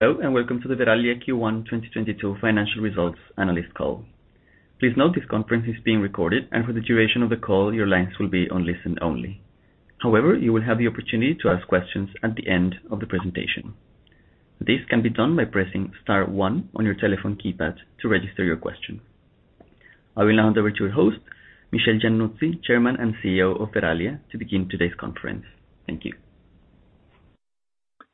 Hello, and welcome to the Verallia Q1 2022 financial results analyst call. Please note this conference is being recorded, and for the duration of the call, your lines will be on listen only. However, you will have the opportunity to ask questions at the end of the presentation. This can be done by pressing star one on your telephone keypad to register your question. I will now hand over to your host, Michel Giannuzzi, Chairman and CEO of Verallia, to begin today's conference. Thank you.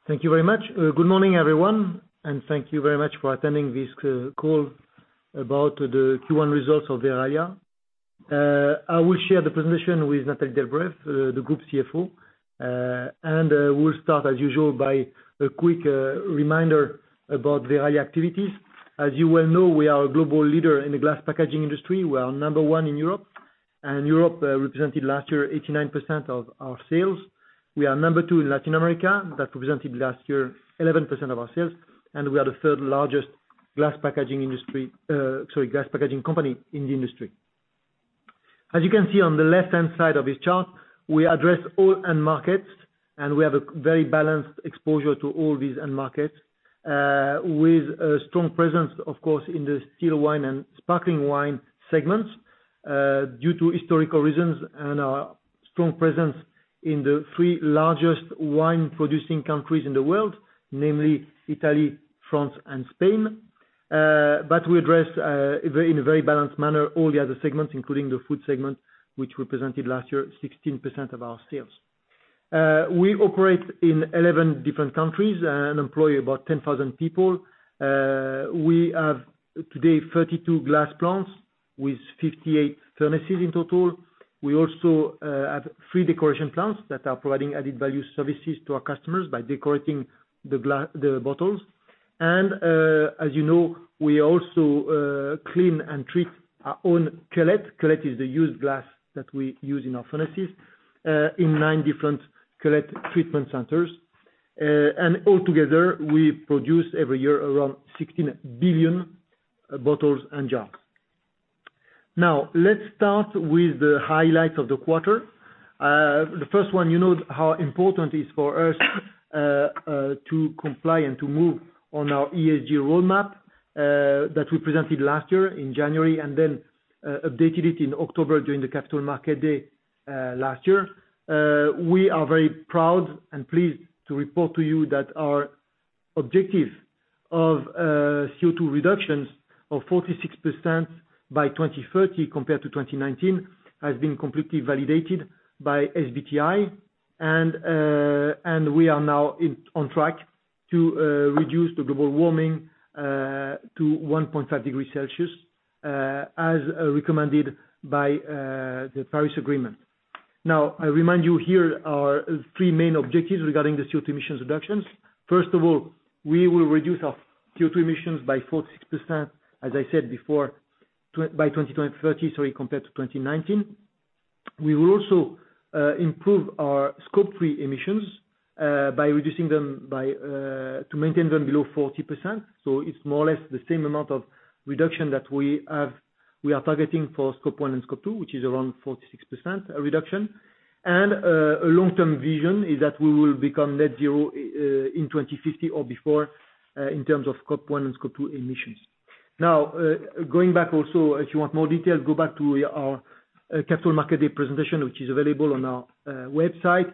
Thank you very much. Good morning, everyone, and thank you very much for attending this call about the Q1 results of Verallia. I will share the presentation with Nathalie Delbreuve, the Group CFO. We'll start as usual by a quick reminder about Verallia activities. As you well know, we are a global leader in the glass packaging industry. We are number one in Europe, and Europe represented last year 89% of our sales. We are number two in Latin America. That represented last year 11% of our sales. We are the third largest glass packaging company in the industry. As you can see on the left-hand side of this chart, we address all end markets, and we have a very balanced exposure to all these end markets, with a strong presence, of course, in the still wine and sparkling wine segments, due to historical reasons and our strong presence in the three largest wine producing countries in the world, namely Italy, France and Spain. We address, in a very balanced manner, all the other segments, including the food segment, which represented last year 16% of our sales. We operate in 11 different countries and employ about 10,000 people. We have today 32 glass plants with 58 furnaces in total. We also have three decoration plants that are providing added value services to our customers by decorating the bottles. As you know, we also clean and treat our own cullet. Cullet is the used glass that we use in our furnaces in nine different cullet treatment centers. All together, we produce every year around 16 billion bottles and jars. Now, let's start with the highlights of the quarter. The first one, you know how important it is for us to comply and to move on our ESG roadmap that we presented last year in January, and then updated it in October during the Capital Market Day last year. We are very proud and pleased to report to you that our objective of CO2 reductions of 46% by 2030 compared to 2019 has been completely validated by SBTi. We are now on track to reduce the global warming to 1.5 degree Celsius as recommended by the Paris Agreement. Now, I remind you, here are three main objectives regarding the CO2 emissions reductions. First of all, we will reduce our CO2 emissions by 46%, as I said before, by 2030, sorry, compared to 2019. We will also improve our Scope 3 emissions by reducing them to maintain them below 40%. It's more or less the same amount of reduction that we are targeting for Scope 1 and Scope 2, which is around 46% reduction. A long-term vision is that we will become net zero in 2050 or before in terms of Scope 1 and Scope 2 emissions. Now, going back also, if you want more details, go back to our Capital Market Day presentation, which is available on our website.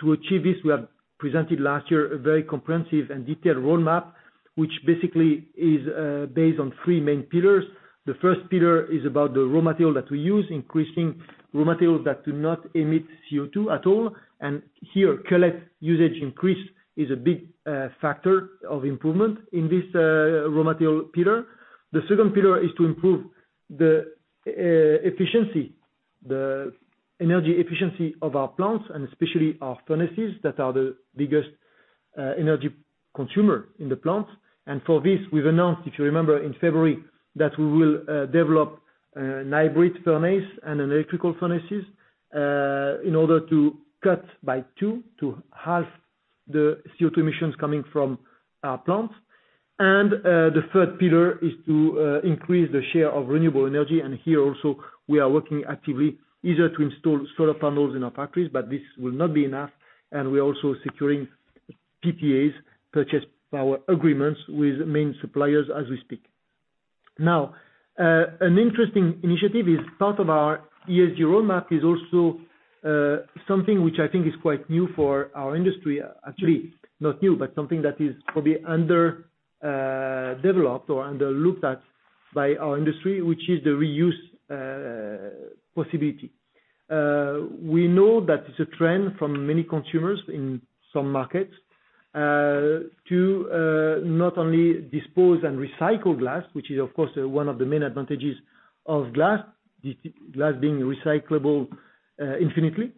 To achieve this, we have presented last year a very comprehensive and detailed roadmap, which basically is based on three main pillars. The first pillar is about the raw material that we use, increasing raw materials that do not emit CO2 at all. Here, cullet usage increase is a big factor of improvement in this raw material pillar. The second pillar is to improve the efficiency, the energy efficiency of our plants, and especially our furnaces, that are the biggest energy consumer in the plants. For this, we've announced, if you remember in February, that we will develop a hybrid furnace and electrical furnaces in order to cut to half the CO2 emissions coming from our plants. The third pillar is to increase the share of renewable energy. Here also, we are working actively either to install solar panels in our factories, but this will not be enough. We're also securing PPAs, Power Purchase Agreements, with main suppliers as we speak. Now, an interesting initiative, part of our ESG roadmap, is also something which I think is quite new for our industry. Actually, not new, but something that is probably underdeveloped or overlooked by our industry, which is the reuse possibility. We know that it's a trend from many consumers in some markets to not only dispose and recycle glass, which is of course one of the main advantages of glass being recyclable infinitely,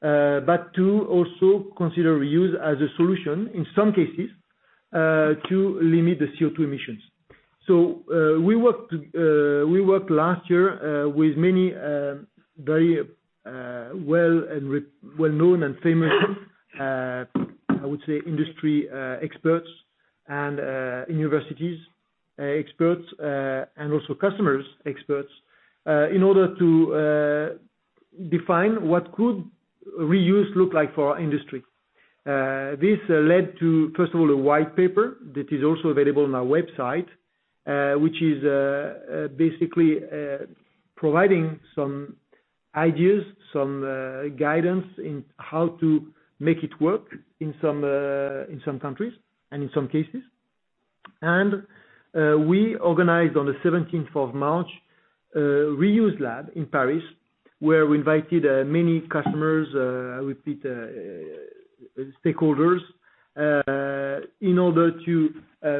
but to also consider reuse as a solution in some cases to limit the CO2 emissions. We worked last year with many very well-known and famous, I would say, industry experts and university experts and also customers' experts in order to define what could reuse look like for our industry. This led to, first of all, a white paper that is also available on our website, which is basically providing some ideas, some guidance in how to make it work in some countries and in some cases. We organized on the seventeenth of March Reuse Lab in Paris, where we invited many customers, I would say, stakeholders, in order to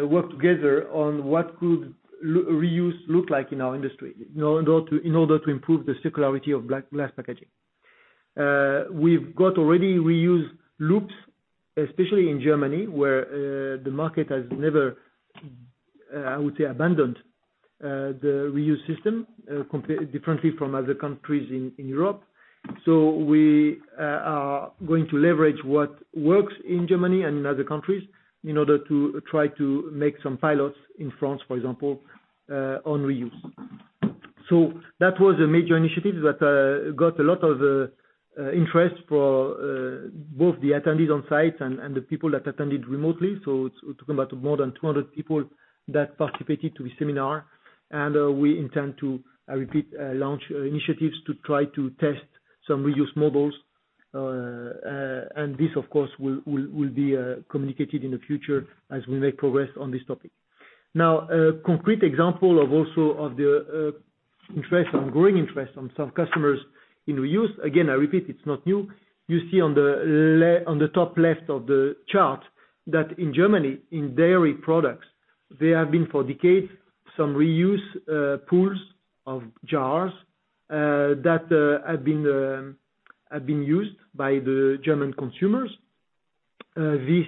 work together on what could reuse look like in our industry in order to improve the circularity of glass packaging. We've got already reuse loops, especially in Germany, where the market has never, I would say, abandoned the reuse system, differently from other countries in Europe. We are going to leverage what works in Germany and in other countries in order to try to make some pilots in France, for example, on reuse. That was a major initiative that got a lot of interest for both the attendees on site and the people that attended remotely. It's talking about more than 200 people that participated to the seminar. We intend to, I repeat, launch initiatives to try to test some reuse models. And this, of course, will be communicated in the future as we make progress on this topic. Now, a concrete example of also of the interest on growing interest on some customers in reuse, again, I repeat, it's not new. You see on the top left of the chart that in Germany, in dairy products, there have been for decades some reuse pools of jars that have been used by the German consumers. This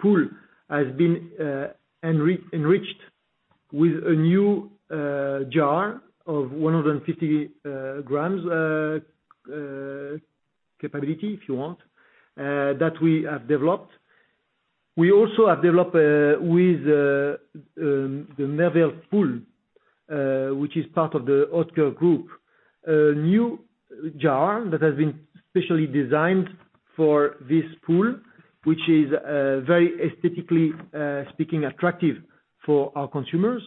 pool has been enriched with a new jar of 150 g capability, if you want, that we have developed. We also have developed with the Mehrwelt pool, which is part of the Oetker Group, a new jar that has been specially designed for this pool, which is very aesthetically speaking attractive for our consumers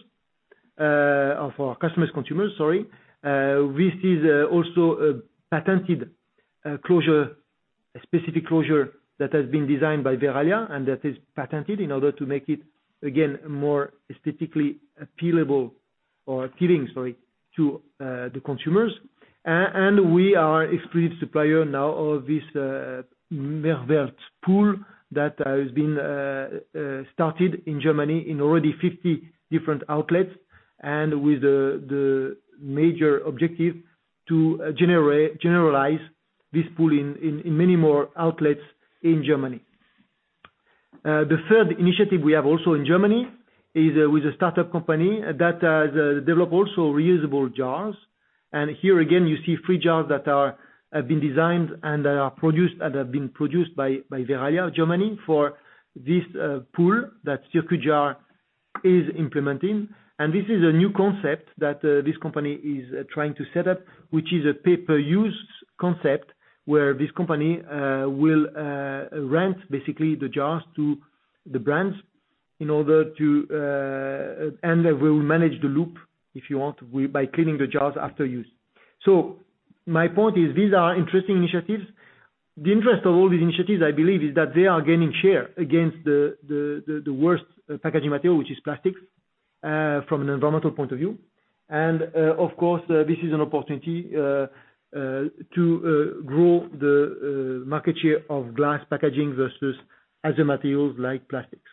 or for our customers, consumers, sorry. This is also a patented closure, a specific closure that has been designed by Verallia, and that is patented in order to make it, again, more aesthetically appealing, sorry, to the consumers. We are exclusive supplier now of this Mehrwelt pool that has been started in Germany in already 50 different outlets and with the major objective to generalize this pool in many more outlets in Germany. The third initiative we have also in Germany is with a startup company that has developed also reusable jars. Here again, you see three jars that have been designed and produced by Verallia, Germany, for this pool that Circujar is implementing. This is a new concept that this company is trying to set up, which is a pay-per-use concept, where this company will rent basically the jars to the brands in order to, and will manage the loop, if you want, by cleaning the jars after use. My point is these are interesting initiatives. The interest of all these initiatives, I believe, is that they are gaining share against the worst packaging material, which is plastics, from an environmental point of view. Of course, this is an opportunity to grow the market share of glass packaging versus other materials like plastics.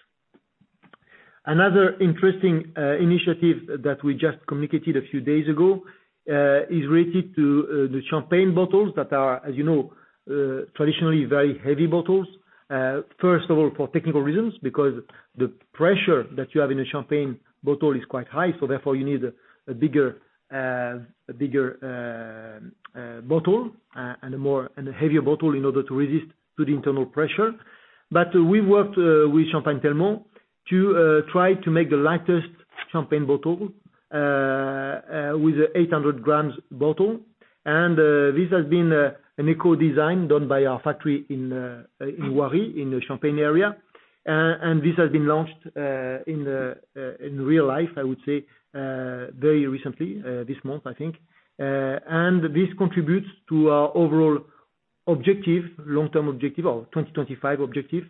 Another interesting initiative that we just communicated a few days ago is related to the champagne bottles that are, as you know, traditionally very heavy bottles. First of all, for technical reasons, because the pressure that you have in a champagne bottle is quite high, so therefore you need a bigger bottle and a heavier bottle in order to resist to the internal pressure. We worked with Champagne Telmont to try to make the lightest champagne bottle with an 800 g bottle. This has been an eco-design done by our factory in Oiry, in the Champagne area. This has been launched in real life, I would say, very recently, this month, I think. This contributes to our overall objective, long-term objective or 2025 objective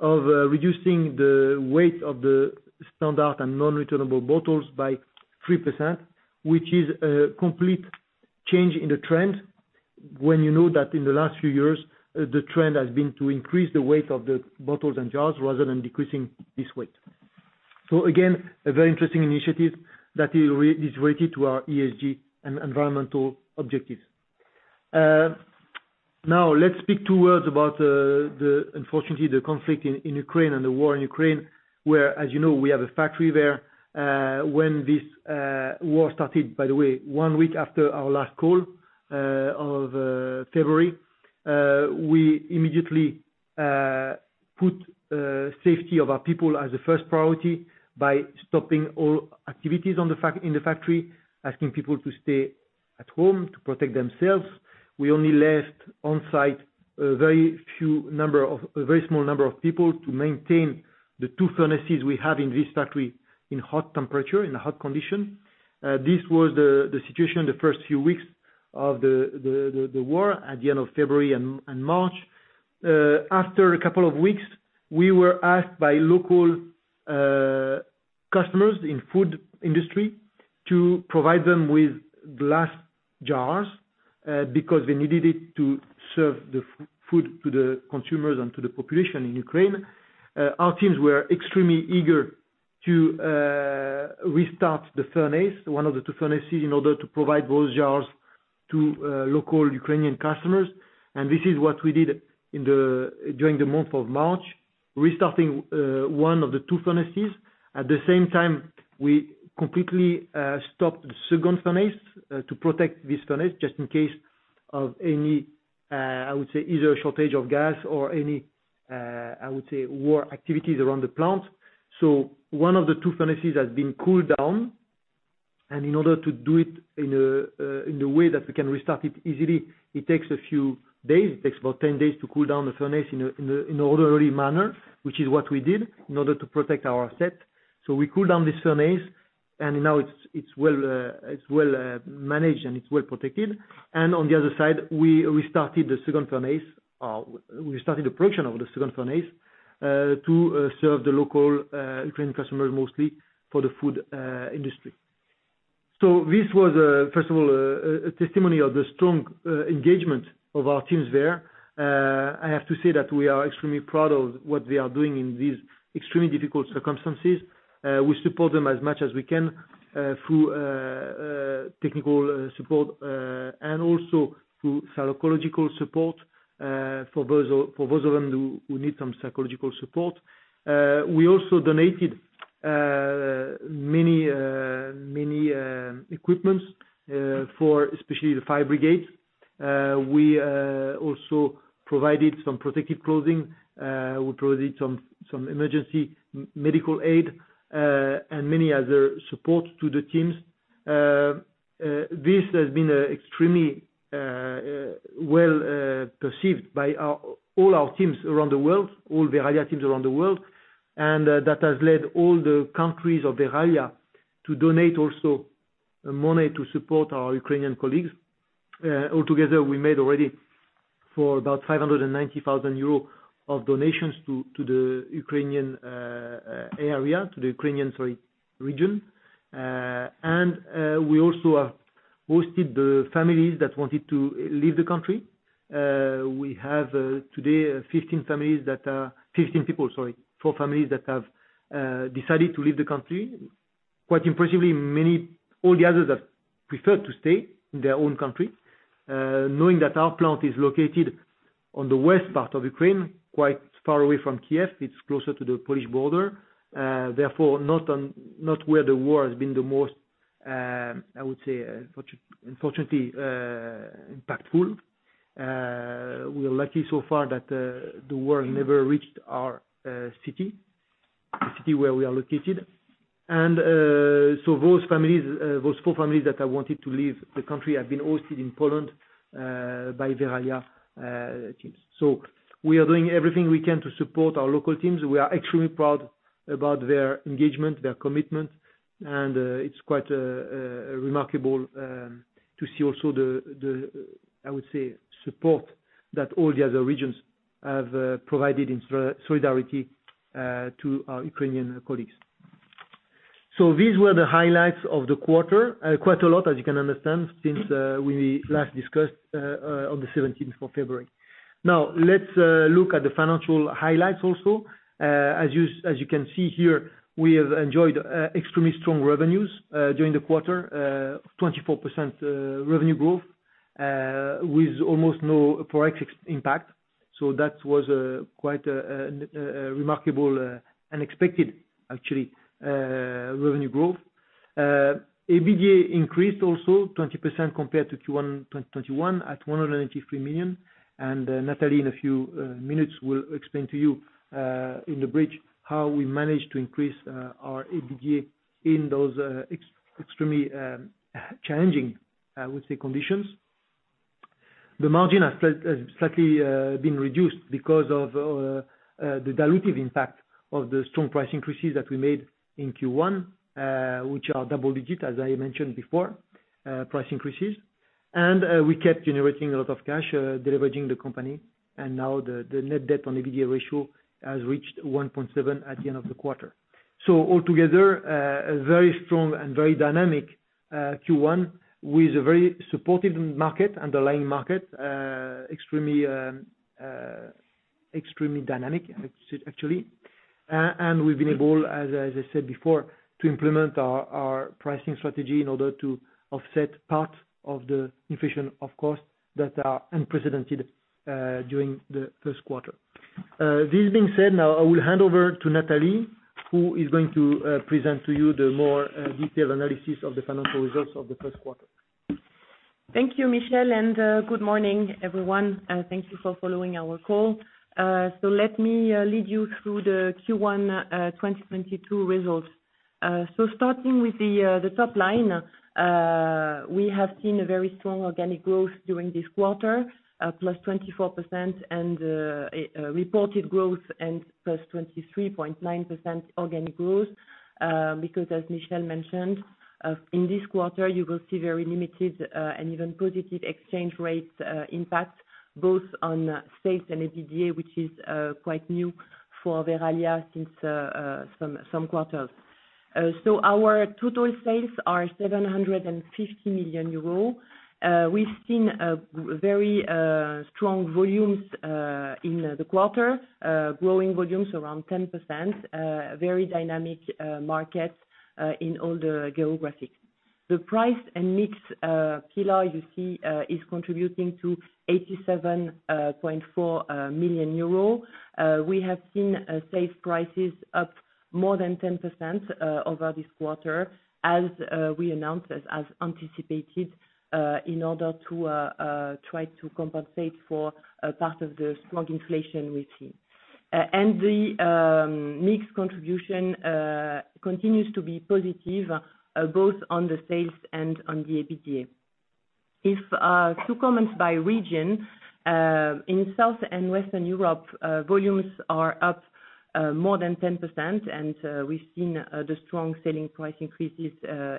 of reducing the weight of the standard and non-returnable bottles by 3%, which is a complete change in the trend when you know that in the last few years, the trend has been to increase the weight of the bottles and jars rather than decreasing this weight. Again, a very interesting initiative that is related to our ESG and environmental objectives. Now let's speak two words about the unfortunately the conflict in Ukraine and the war in Ukraine, where, as you know, we have a factory there. When this war started, by the way, one week after our last call of February, we immediately put safety of our people as a first priority by stopping all activities on the factory, asking people to stay at home to protect themselves. We only left on site a very small number of people to maintain the two furnaces we have in this factory in hot temperature, in hot condition. This was the situation the first few weeks of the war at the end of February and March. After a couple of weeks, we were asked by local customers in food industry to provide them with glass jars, because they needed it to serve the food to the consumers and to the population in Ukraine. Our teams were extremely eager to restart the furnace, one of the two furnaces, in order to provide those jars to local Ukrainian customers. This is what we did during the month of March, restarting one of the two furnaces. At the same time, we completely stopped the second furnace to protect this furnace, just in case of any, I would say, either a shortage of gas or any, I would say, war activities around the plant. One of the two furnaces has been cooled down, and in order to do it in an orderly manner, which is what we did in order to protect our asset. We cool down this furnace and now it's well managed and it's well protected. On the other side, we restarted the second furnace. We started the production of the second furnace to serve the local Ukrainian customers mostly for the food industry. This was first of all a testimony of the strong engagement of our teams there. I have to say that we are extremely proud of what they are doing in these extremely difficult circumstances. We support them as much as we can through technical support and also through psychological support for those of them who need some psychological support. We also donated many equipments for especially the fire brigade. We also provided some protective clothing. We provided some emergency medical aid and many other support to the teams. This has been extremely well perceived by all our teams around the world, all Verallia teams around the world. That has led all the countries of Verallia to donate also money to support our Ukrainian colleagues. Altogether, we made already for about 590,000 euros of donations to the Ukrainian area, to the Ukrainian, sorry, region. We also have hosted the families that wanted to leave the country. We have today 15 families that 15 people, sorry, four families that have decided to leave the country. Quite impressively, all the others have preferred to stay in their own country, knowing that our plant is located on the west part of Ukraine, quite far away from Kiev. It's closer to the Polish border, therefore not where the war has been the most, I would say, unfortunately, impactful. We are lucky so far that the war never reached our city, the city where we are located. Those four families that have wanted to leave the country have been hosted in Poland by Verallia teams. We are doing everything we can to support our local teams. We are extremely proud about their engagement, their commitment, and it's quite remarkable to see also the I would say support that all the other regions have provided in solidarity to our Ukrainian colleagues. These were the highlights of the quarter. Quite a lot, as you can understand, since we last discussed on the seventeenth of February. Now let's look at the financial highlights also. As you can see here, we have enjoyed extremely strong revenues during the quarter. 24% revenue growth with almost no Forex impact. That was quite remarkable, unexpected actually, revenue growth. EBITDA increased also 20% compared to Q1 2021 at 183 million. Nathalie in a few minutes will explain to you in the bridge how we managed to increase our EBITDA in those extremely challenging, I would say, conditions. The margin has slightly been reduced because of the dilutive impact of the strong price increases that we made in Q1, which are double digit, as I mentioned before, price increases. We kept generating a lot of cash deleveraging the company. Now the net debt on EBITDA ratio has reached 1.7 at the end of the quarter. All together a very strong and very dynamic Q1 with a very supportive market underlying market extremely dynamic actually. We've been able, as I said before, to implement our pricing strategy in order to offset part of the inflation of costs that are unprecedented during the first quarter. This being said, now I will hand over to Nathalie, who is going to present to you the more detailed analysis of the financial results of the first quarter. Thank you, Michel, and good morning, everyone. Thank you for following our call. Let me lead you through the Q1 2022 results. Starting with the top line, we have seen a very strong organic growth during this quarter +24% and reported growth +23.9% organic growth, because as Michel mentioned, in this quarter you will see very limited and even positive exchange rates impact both on sales and EBITDA, which is quite new for Verallia since some quarters. Our total sales are 750 million euros. We've seen very strong volumes in the quarter, growing volumes around 10%, very dynamic markets in all the geographic. The price and mix pillar, you see, is contributing to 87.4 million euros. We have seen sales prices up more than 10% over this quarter as we announced, as anticipated, in order to try to compensate for a part of the strong inflation we've seen. The mix contribution continues to be positive both on the sales and on the EBITDA. I have two comments by region. In South and Western Europe, volumes are up more than 10% and we've seen the strong selling price increases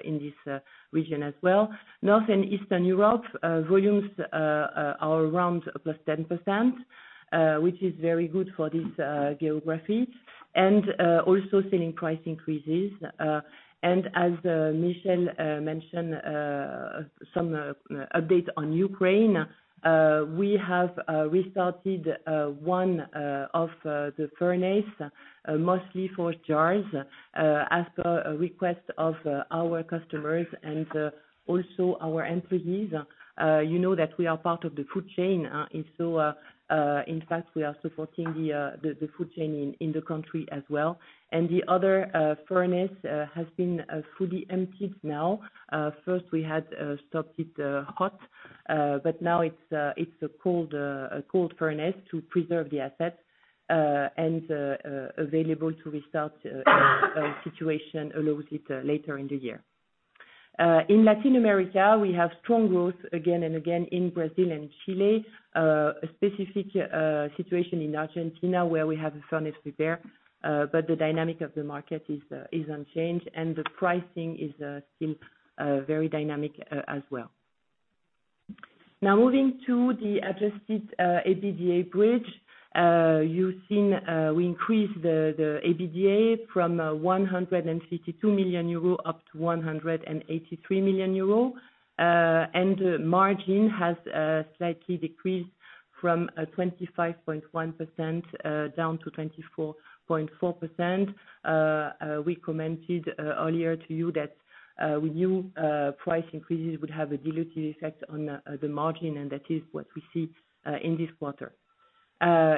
in this region as well. North and Eastern Europe, volumes are around +10%, which is very good for this geography, and also selling price increases. As Michel mentioned some update on Ukraine, we have restarted one of the furnaces mostly for jars, as per a request of our customers and also our employees. You know that we are part of the food chain, and so in fact, we are supporting the food chain in the country as well. The other furnace has been fully emptied now. First we had stopped it hot, but now it's a cold furnace to preserve the assets and available to restart as the situation allows it later in the year. In Latin America, we have strong growth again and again in Brazil and Chile. A specific situation in Argentina, where we have a furnace repair, but the dynamic of the market is unchanged, and the pricing is still very dynamic as well. Now moving to the Adjusted EBITDA bridge, you've seen we increased the EBITDA from 152 million euro up to 183 million euro. Margin has slightly decreased from 25.1% down to 24.4%. We commented earlier to you that we knew price increases would have a dilutive effect on the margin, and that is what we see in this quarter.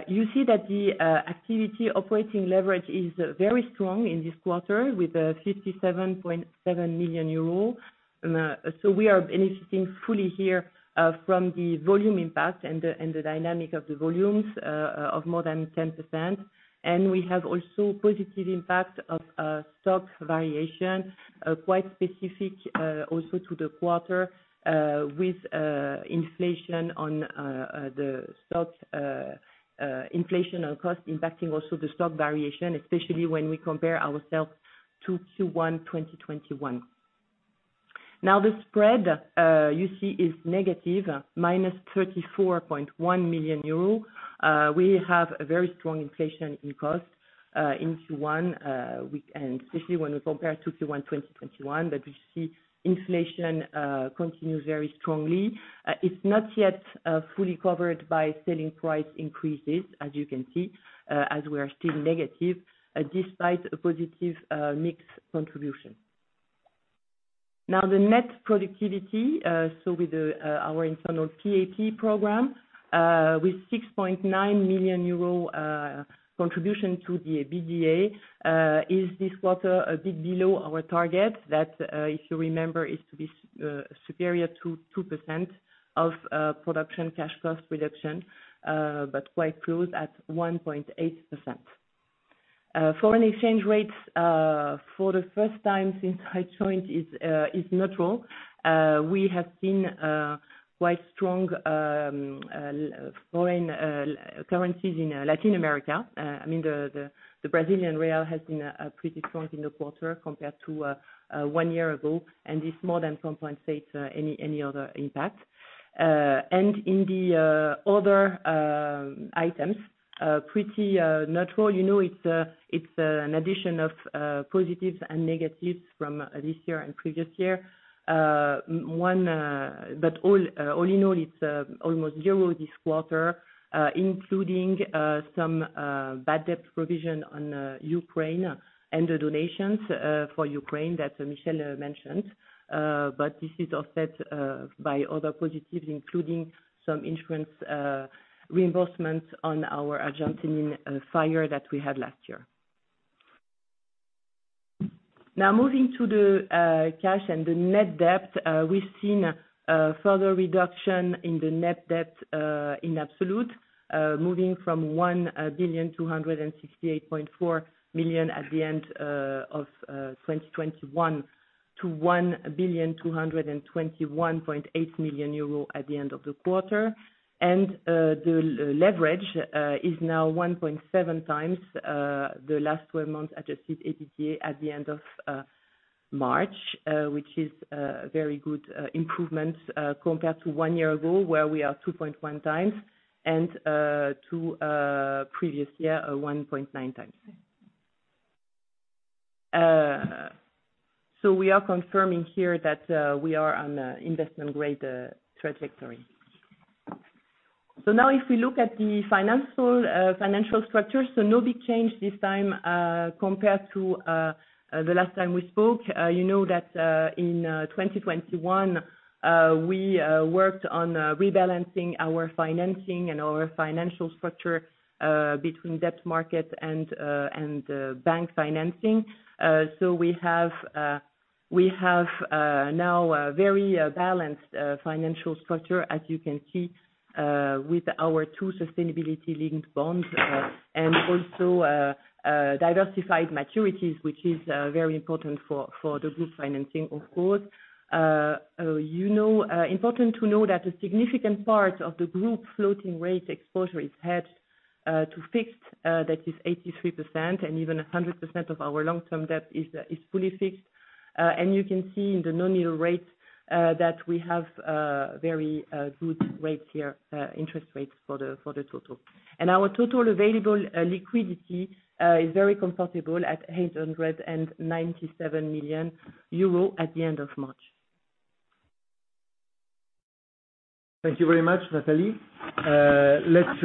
You see that the activity operating leverage is very strong in this quarter with 57.7 million euros. We are benefiting fully here from the volume impact and the dynamic of the volumes of more than 10%. We have also positive impact of stock variation quite specific also to the quarter with inflation on the stock, inflation on cost impacting also the stock variation, especially when we compare ourselves to Q1 2021. Now the spread you see is negative, -34.1 million euro. We have a very strong inflation in cost in Q1 and especially when we compare to Q1 2021, but we see inflation continue very strongly. It's not yet fully covered by selling price increases, as you can see, as we are still negative despite a positive mix contribution. Now the net productivity, so with our internal PAP program with 6.9 million euro contribution to the EBITDA, is this quarter a bit below our target. That, if you remember, is to be superior to 2% of production cash cost reduction, but quite close at 1.8%. Foreign exchange rates, for the first time since I joined, is neutral. We have seen quite strong foreign currencies in Latin America. I mean, the Brazilian real has been pretty strong in the quarter compared to one year ago, and it's more than offsetting any other impact. In the other items, pretty neutral, you know, it's an addition of positives and negatives from this year and previous year. All in all, it's almost zero this quarter, including some bad debt provision on Ukraine and the donations for Ukraine that Michel mentioned. This is offset by other positives, including some insurance reimbursements on our Argentinian fire that we had last year. Now moving to the cash and the net debt, we've seen further reduction in the net debt in absolute, moving from 1,268.4 million at the end of 2021 to 1,221.8 million euro at the end of the quarter. The leverage is now 1.7x the last 12 months Adjusted EBITDA at the end of March, which is very good improvements compared to one year ago where we are 2.1x and to previous year 1.9x. We are confirming here that we are on an investment grade trajectory. Now if we look at the financial structure, no big change this time compared to the last time we spoke. You know that in 2021 we worked on rebalancing our financing and our financial structure between debt market and bank financing. We have now a very balanced financial structure, as you can see, with our two sustainability-linked bonds and also diversified maturities, which is very important for the group financing of course. You know, important to know that a significant part of the group floating rate exposure is hedged to fixed, that is 83% and even 100% of our long-term debt is fully fixed. You can see in the bond yields that we have very good rates here, interest rates for the total. Our total available liquidity is very comfortable at 897 million euro at the end of March. Thank you very much, Nathalie. Let's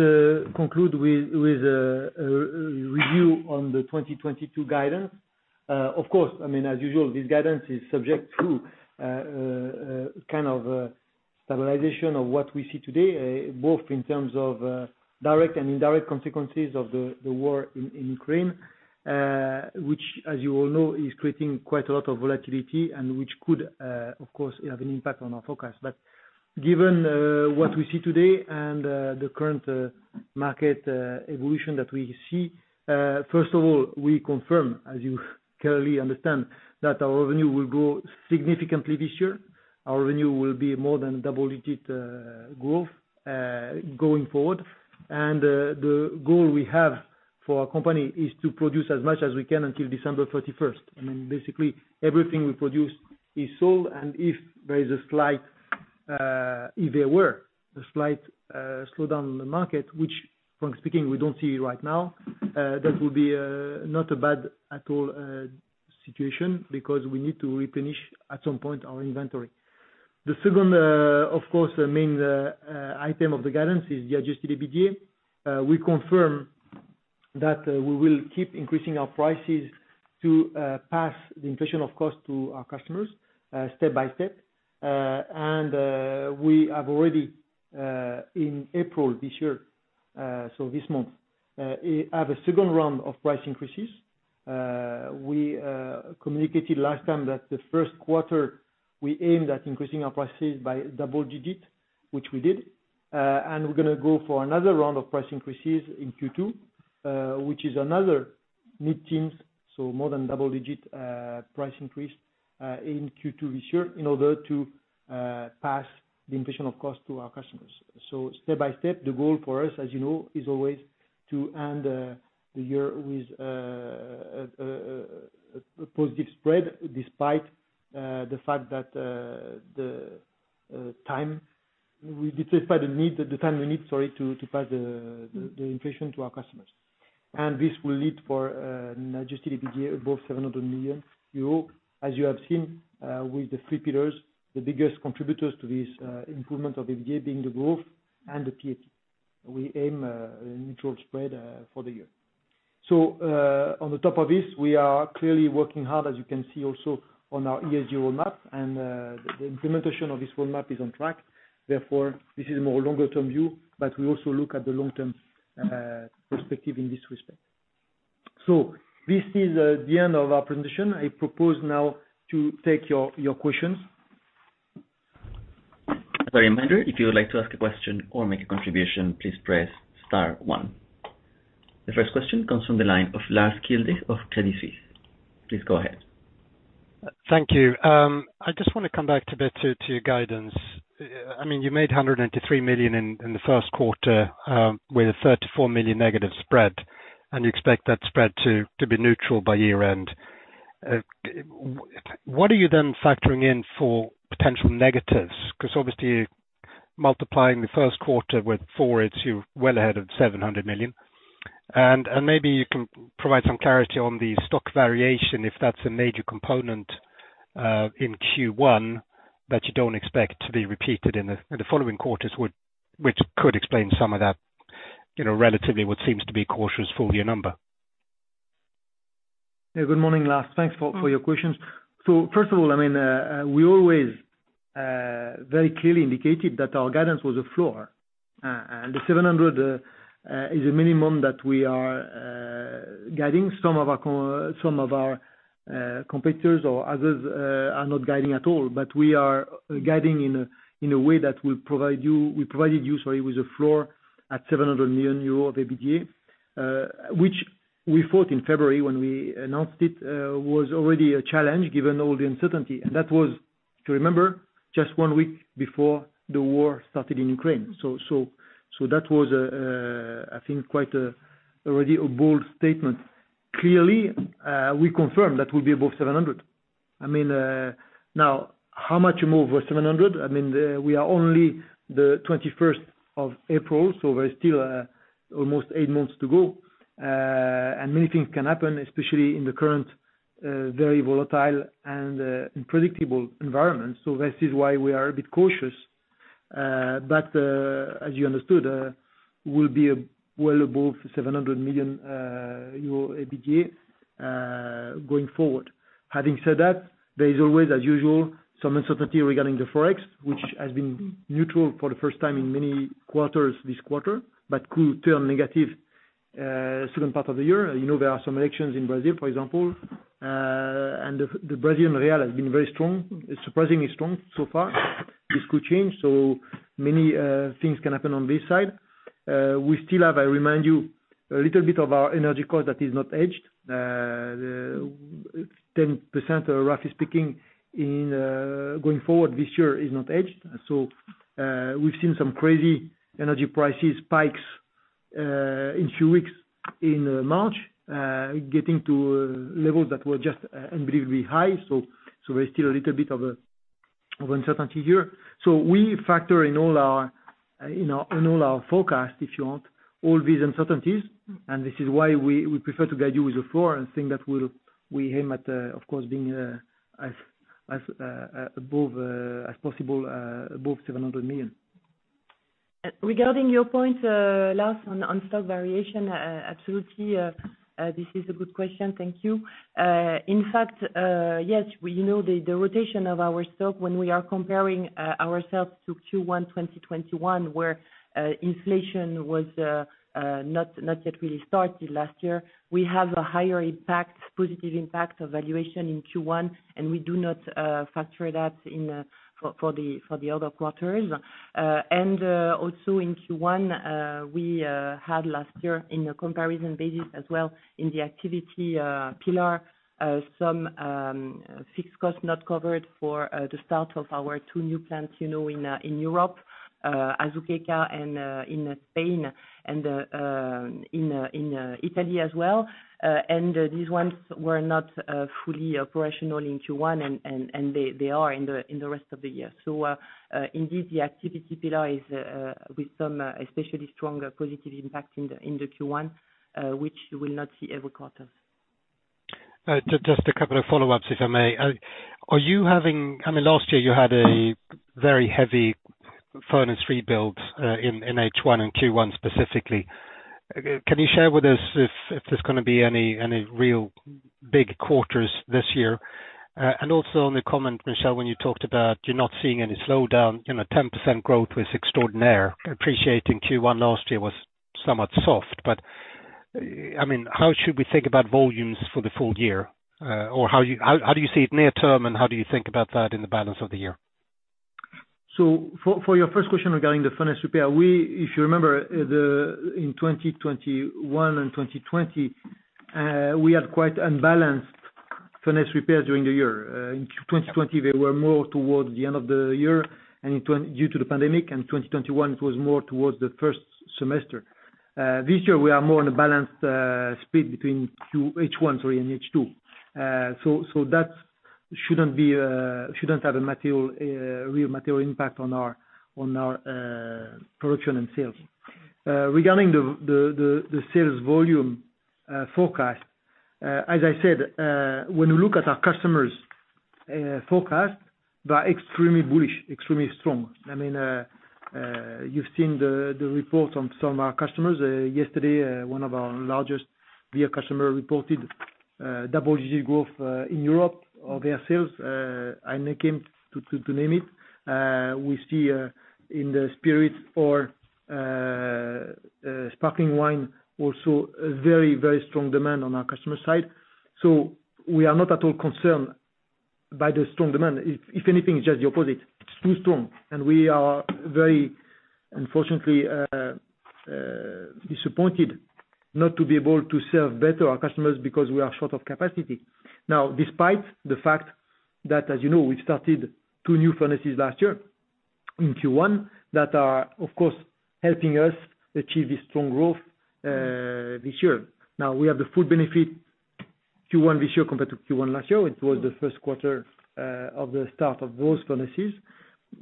conclude with a review on the 2022 guidance. Of course, I mean, as usual, this guidance is subject to kind of stabilization of what we see today, both in terms of direct and indirect consequences of the war in Ukraine, which as you all know, is creating quite a lot of volatility and which could, of course, have an impact on our forecast. Given what we see today and the current market evolution that we see, first of all, we confirm, as you clearly understand, that our revenue will grow significantly this year. Our revenue will be more than double-digit growth going forward. The goal we have for our company is to produce as much as we can until December 31. I mean, basically everything we produce is sold. If there were a slight slowdown in the market, which frankly speaking, we don't see right now, that would be not a bad situation at all because we need to replenish at some point our inventory. The second, of course, the main item of the guidance is the Adjusted EBITDA. We confirm that we will keep increasing our prices to pass the cost inflation to our customers step by step. We have already, in April this year, so this month, had a second round of price increases. We communicated last time that the first quarter we aimed at increasing our prices by double-digit, which we did. We're gonna go for another round of price increases in Q2, which is another mid-teens, so more than double-digit, price increase in Q2 this year in order to pass the cost inflation to our customers. Step by step, the goal for us, as you know, is always to end the year with a positive spread despite the fact that the time we need to pass the inflation to our customers. This will lead to Adjusted EBITDA above 700 million euro. As you have seen, with the three pillars, the biggest contributors to this, improvement of EBITDA being the growth and the PAP. We aim neutral spread for the year. On the top of this, we are clearly working hard as you can see also on our ESG roadmap. The implementation of this roadmap is on track. Therefore, this is more longer term view, but we also look at the long term perspective in this respect. This is the end of our presentation. I propose now to take your questions. As a reminder, if you would like to ask a question or make a contribution, please press star one. The first question comes from the line of Lars Kjellberg of Credit Suisse. Please go ahead. Thank you. I just wanna come back a bit to your guidance. I mean, you made 103 million in the first quarter with a -34 million spread, and you expect that spread to be neutral by year end. What are you then factoring in for potential negatives? 'Cause obviously multiplying the first quarter with four, it's you're well ahead of 700 million. Maybe you can provide some clarity on the stock variation, if that's a major component in Q1 that you don't expect to be repeated in the following quarters, which could explain some of that, you know, relatively what seems to be cautious full year number. Yeah. Good morning, Lars. Thanks for your questions. First of all, I mean, we always very clearly indicated that our guidance was a floor. The 700 is a minimum that we are guiding. Some of our competitors or others are not guiding at all, but we are guiding in a way that will provide you, we provided you, sorry, with a floor at 700 million euro of EBITDA, which we thought in February when we announced it was already a challenge given all the uncertainty. That was, to remember, just one week before the war started in Ukraine. That was, I think quite already a bold statement. Clearly, we confirm that we'll be above 700. I mean, now how much more over 700? I mean, we are only the 21st of April, so there's still almost eight months to go. Many things can happen, especially in the current very volatile and unpredictable environment. This is why we are a bit cautious. As you understood, we'll be well above 700 million euro EBITDA going forward. Having said that, there is always as usual some uncertainty regarding the Forex, which has been neutral for the first time in many quarters this quarter, but could turn negative, second part of the year. You know, there are some elections in Brazil, for example, and the Brazilian real has been very strong. It's surprisingly strong so far. This could change. Many things can happen on this side. We still have, I remind you, a little bit of our energy cost that is not hedged. Ten percent, roughly speaking, going forward this year is not hedged. We've seen some crazy energy price spikes in a few weeks in March, getting to levels that were just unbelievably high. There's still a little bit of uncertainty here. We factor in all our forecasts, if you will, all these uncertainties, and this is why we prefer to guide you with the floor and think that we'll aim at, of course, being as high as possible above 700 million. Regarding your point, last on stock variation, absolutely, this is a good question. Thank you. In fact, yes, we know the rotation of our stock when we are comparing ourselves to Q1 in 2021, where inflation was not yet really started last year. We have a higher impact, positive impact of valuation in Q1, and we do not factor that in for the other quarters. Also in Q1, we had last year in a comparison basis as well in the activity pillar, some fixed costs not covered for the start of our two new plants, you know, in Europe, Azuqueca and in Spain and in Italy as well. These ones were not fully operational in Q1, and they are in the rest of the year. Indeed, the activity pillar is with some especially stronger positive impact in the Q1, which you will not see every quarter. Just a couple of follow-ups, if I may. Are you having I mean, last year you had a very heavy furnace rebuilds in H1 and Q1 specifically. Can you share with us if there's gonna be any real big quarters this year? And also on the comment, Michel, when you talked about you're not seeing any slowdown, you know, 10% growth was extraordinary. Appreciating Q1 last year was somewhat soft, but I mean, how should we think about volumes for the full year? Or how do you see it near term, and how do you think about that in the balance of the year? For your first question regarding the furnace repair, if you remember, in 2021 and 2020, we had quite unbalanced furnace repairs during the year. In 2020, they were more towards the end of the year and due to the pandemic, in 2021, it was more towards the first semester. This year we are more on a balanced split between H1, sorry, and H2. So that shouldn't have a really material impact on our production and sales. Regarding the sales volume forecast, as I said, when you look at our customers' forecast, they are extremely bullish, extremely strong. I mean, you've seen the report on some of our customers. Yesterday, one of our largest beer customers reported double-digit growth in Europe of their sales. I'm not going to name it. We see in the spirits for sparkling wine also a very strong demand on our customer side. We are not at all concerned by the strong demand. If anything, it's just the opposite. It's too strong. We are very unfortunately disappointed not to be able to serve better our customers because we are short of capacity. Now, despite the fact that, as you know, we started two new furnaces last year in Q1 that are, of course, helping us achieve this strong growth this year. Now we have the full benefit Q1 this year compared to Q1 last year. It was the first quarter of the start of those furnaces.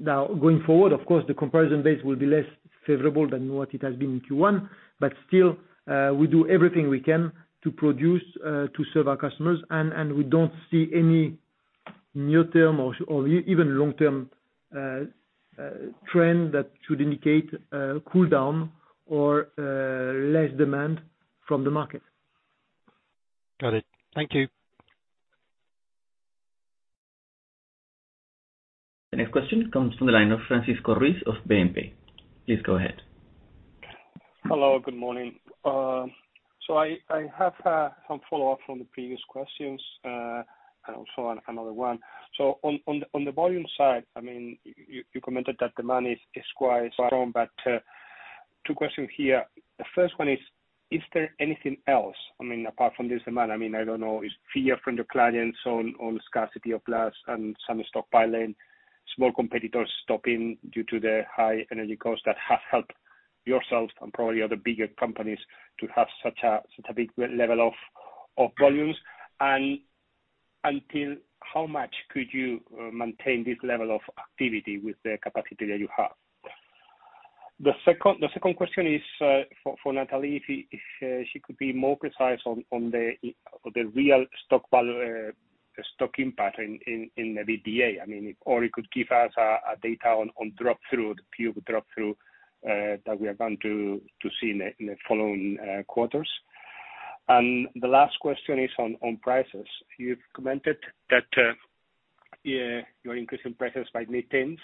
Now, going forward, of course, the comparison base will be less favorable than what it has been in Q1, but still, we do everything we can to produce to serve our customers, and we don't see any near-term or even long-term trend that should indicate a cool down or less demand from the market. Got it. Thank you. The next question comes from the line of Francisco Ruiz of BNP. Please go ahead. Hello. Good morning. I have some follow-up from the previous questions and also another one. On the volume side, I mean, you commented that demand is quite strong. Two questions here. The first one is there anything else, I mean, apart from this demand, I mean, I don't know, is fear from your clients on scarcity of glass and some stockpiling, small competitors stopping due to the high energy costs that have helped yourself and probably other bigger companies to have such a big level of volumes? Until how much could you maintain this level of activity with the capacity that you have? The second question is for Nathalie, if she could be more precise on the real stocking pattern in the EBITDA. I mean, or you could give us a data on drop through, the pure drop through that we are going to see in the following quarters. The last question is on prices. You've commented that you're increasing prices by mid-teens.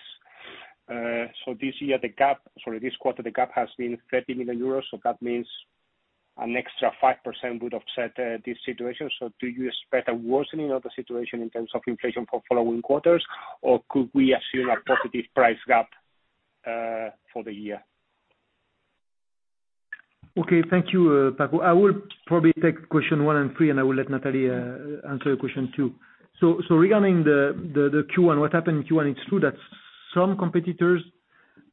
So this year, the gap. Sorry, this quarter, the gap has been 30 million euros, so that means an extra 5% would offset this situation. Do you expect a worsening of the situation in terms of inflation for following quarters, or could we assume a positive price gap for the year? Okay. Thank you, Paco. I will probably take question one and three, and I will let Nathalie answer question two. Regarding the Q1, what happened in Q1, it's true that some competitors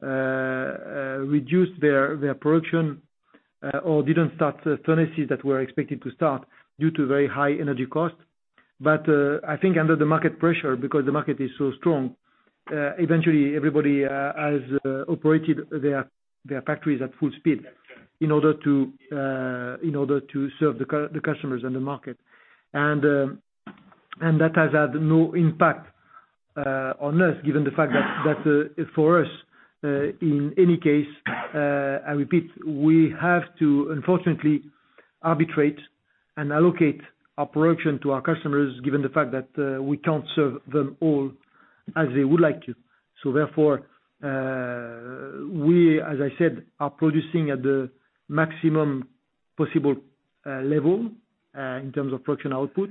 reduced their production or didn't start furnaces that were expected to start due to very high energy costs. I think under the market pressure, because the market is so strong, eventually everybody has operated their factories at full speed in order to serve the customers and the market. That has had no impact on us, given the fact that for us, in any case, I repeat, we have to unfortunately arbitrate and allocate our production to our customers given the fact that we can't serve them all as they would like to. We, as I said, are producing at the maximum possible level in terms of production output.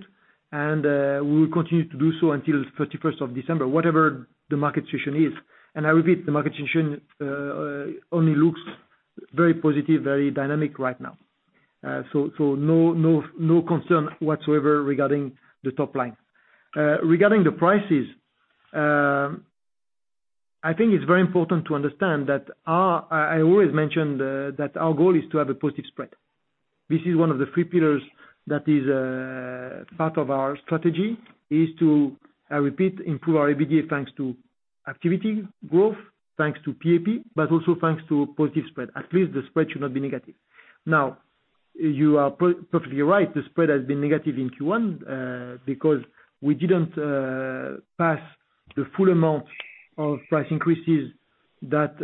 We will continue to do so until 31st of December, whatever the market situation is. I repeat, the market situation only looks very positive, very dynamic right now. No concern whatsoever regarding the top line. Regarding the prices, I think it's very important to understand that I always mention that our goal is to have a positive spread. This is one of the three pillars that is part of our strategy, is to, I repeat, improve our EBITDA thanks to activity growth, thanks to PAP, but also thanks to positive spread. At least the spread should not be negative. Now, you are perfectly right, the spread has been negative in Q1, because we didn't pass the full amount of price increases that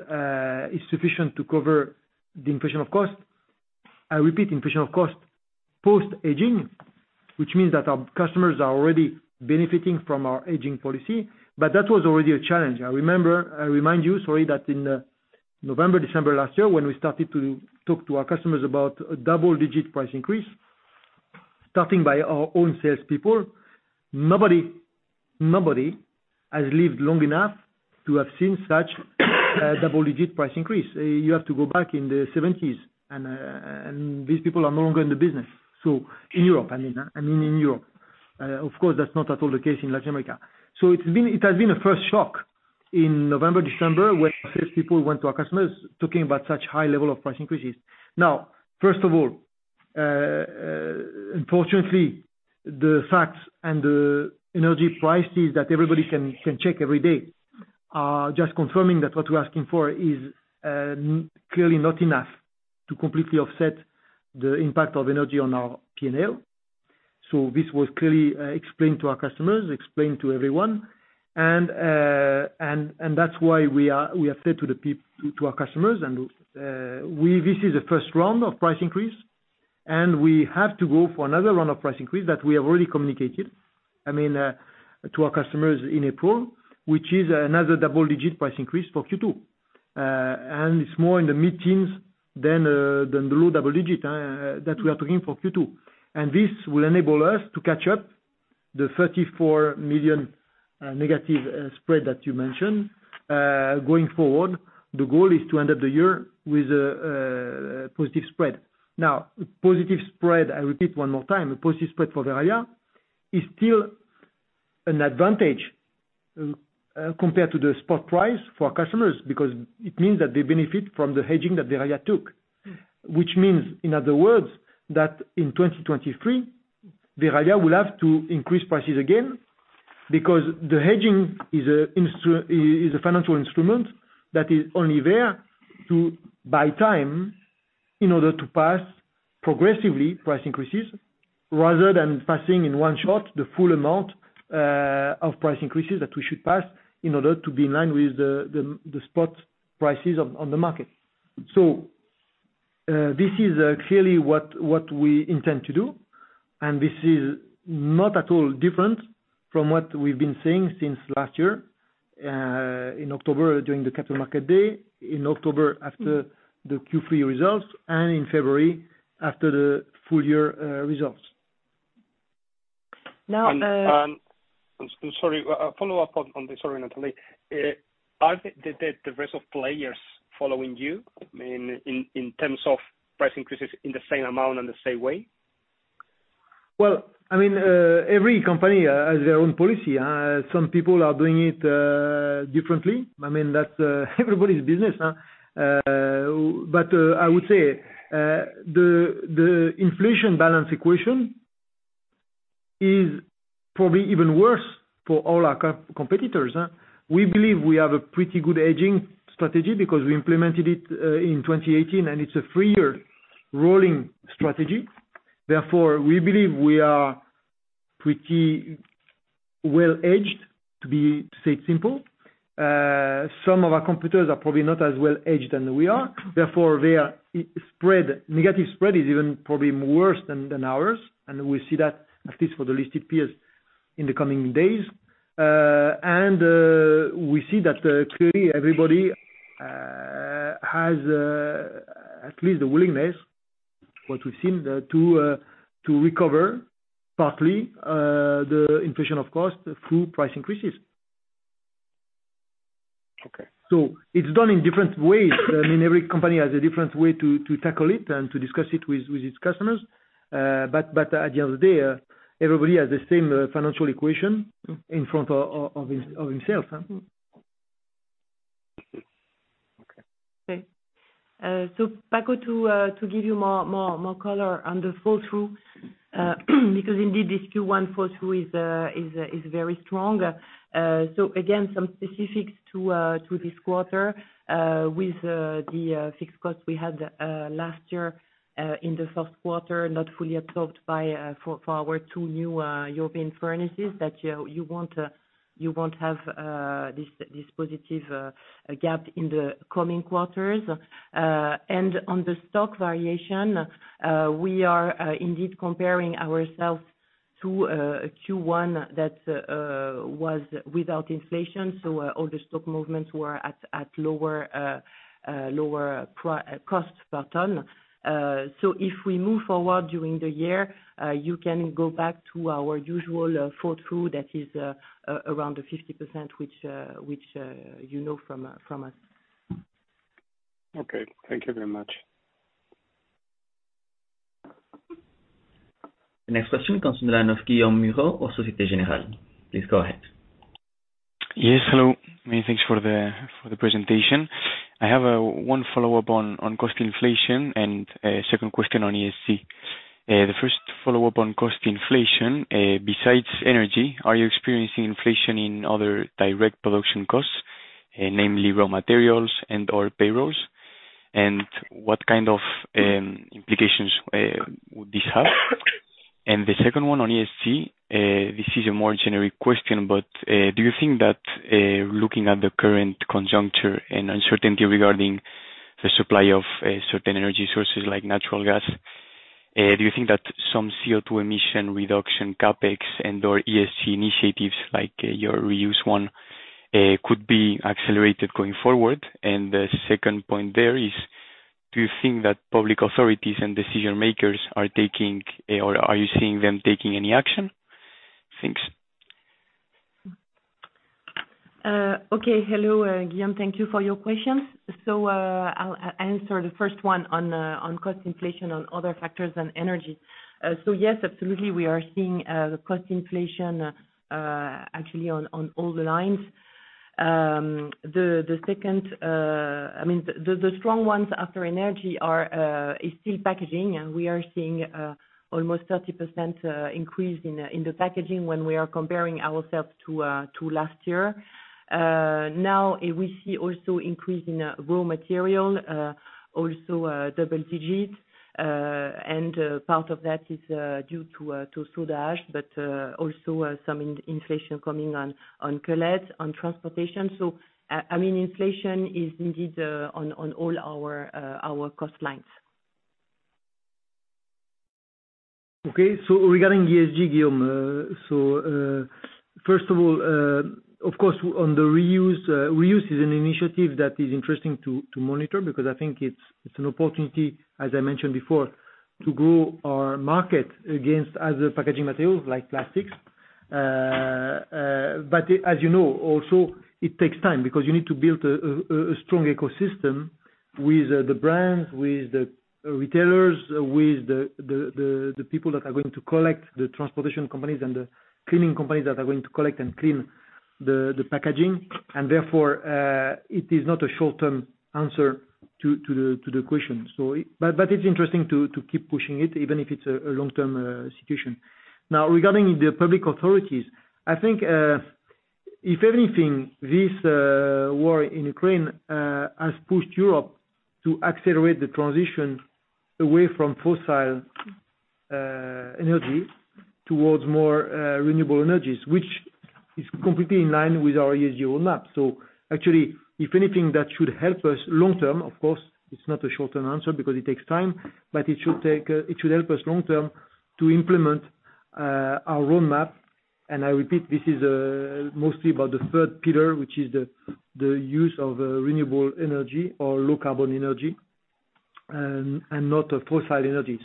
is sufficient to cover the inflation of cost. I repeat, inflation of cost post-hedging, which means that our customers are already benefiting from our hedging policy, but that was already a challenge. I remind you, sorry, that in November, December last year, when we started to talk to our customers about a double-digit price increase, starting by our own salespeople, nobody has lived long enough to have seen such a double-digit price increase. You have to go back in the seventies and these people are no longer in the business. In Europe, I mean. Of course, that's not at all the case in Latin America. It's been a first shock in November, December, when salespeople went to our customers talking about such high level of price increases. First of all, unfortunately, the facts and the energy prices that everybody can check every day are just confirming that what we're asking for is clearly not enough to completely offset the impact of energy on our P&L. This was clearly explained to our customers, explained to everyone. That's why we have said to the people, to our customers and we... This is the first round of price increase, and we have to go for another round of price increase that we have already communicated, I mean, to our customers in April, which is another double-digit price increase for Q2. It's more in the mid-teens than the low double-digit that we are talking for Q2. This will enable us to catch up -34 million spread that you mentioned. Going forward, the goal is to end up the year with a positive spread. Now, positive spread, I repeat one more time, a positive spread for Verallia is still an advantage compared to the spot price for our customers, because it means that they benefit from the hedging that Verallia took. Which means, in other words, that in 2023 Verallia will have to increase prices again because the hedging is a financial instrument that is only there to buy time in order to pass progressively price increases rather than passing in one shot the full amount of price increases that we should pass in order to be in line with the spot prices on the market. This is clearly what we intend to do, and this is not at all different from what we've been saying since last year in October during the Capital Market Day, in October after the Q3 results, and in February after the full year results. Now. I'm sorry, a follow-up on this. Sorry, Nathalie. Are the rest of players following you? I mean, in terms of price increases in the same amount and the same way? Well, I mean, every company has their own policy. Some people are doing it differently. I mean, that's everybody's business. But I would say the inflation balance equation is probably even worse for all our competitors. We believe we have a pretty good hedging strategy because we implemented it in 2018, and it's a three-year rolling strategy. Therefore, we believe we are pretty well-hedged, to say it simply. Some of our competitors are probably not as well hedged than we are, therefore, their i-spread, negative spread is even probably worse than ours. We see that at least for the listed peers in the coming days. We see that clearly everybody has at least the willingness, what we've seen, to recover partly the inflation of cost through price increases. Okay. It's done in different ways. I mean, every company has a different way to tackle it and to discuss it with its customers. But at the end of the day, everybody has the same financial equation in front of himself. Okay. Back to give you more color on the flow through, because indeed this Q1 flow through is very strong. Again, some specifics to this quarter, with the fixed cost we had last year in the first quarter, not fully absorbed by our two new European furnaces that you won't have this positive gap in the coming quarters. On the stock variation, we are indeed comparing ourselves to Q1 that was without inflation. All the stock movements were at lower costs per ton. If we move forward during the year, you can go back to our usual flow-through, which you know from us. Okay. Thank you very much. The next question comes in the line of Guillaume Mounier of Societe Generale. Please go ahead. Yes, hello. Many thanks for the presentation. I have one follow-up on cost inflation and a second question on ESG. The first follow-up on cost inflation, besides energy, are you experiencing inflation in other direct production costs, namely raw materials and/or payrolls? What kind of implications would this have? The second one on ESG, this is a more generic question, but do you think that looking at the current conjuncture and uncertainty regarding the supply of certain energy sources like natural gas, do you think that some CO2 emission reduction CapEx and/or ESG initiatives like your reuse one could be accelerated going forward? The second point there is, do you think that public authorities and decision makers are taking, or are you seeing them taking any action? Thanks. Okay. Hello, Guillaume. Thank you for your questions. I'll answer the first one on cost inflation on other factors than energy. Yes, absolutely we are seeing the cost inflation, actually, on all the lines. The second, I mean the strong ones after energy are still packaging, and we are seeing almost 30% increase in the packaging when we are comparing ourselves to last year. Now we see also increase in raw material, also double digits. Part of that is due to soda ash but also some inflation coming on cullet, on transportation. I mean inflation is indeed on all our cost lines. Regarding ESG, Guillaume, first of all, of course on the reuse is an initiative that is interesting to monitor because I think it's an opportunity, as I mentioned before, to grow our market against other packaging materials like plastics. But as you know, also it takes time because you need to build a strong ecosystem with the brands, with the retailers, with the people that are going to collect, the transportation companies and the cleaning companies that are going to collect and clean the packaging. Therefore, it is not a short-term answer to the question. It's interesting to keep pushing it even if it's a long-term situation. Now, regarding the public authorities, I think, if anything, this war in Ukraine has pushed Europe to accelerate the transition away from fossil energy towards more renewable energies, which is completely in line with our ESG roadmap. Actually, if anything that should help us long term, of course, it's not a short-term answer because it takes time, but it should help us long term to implement our roadmap. I repeat, this is mostly about the third pillar, which is the use of renewable energy or low carbon energy and not a fossil energy.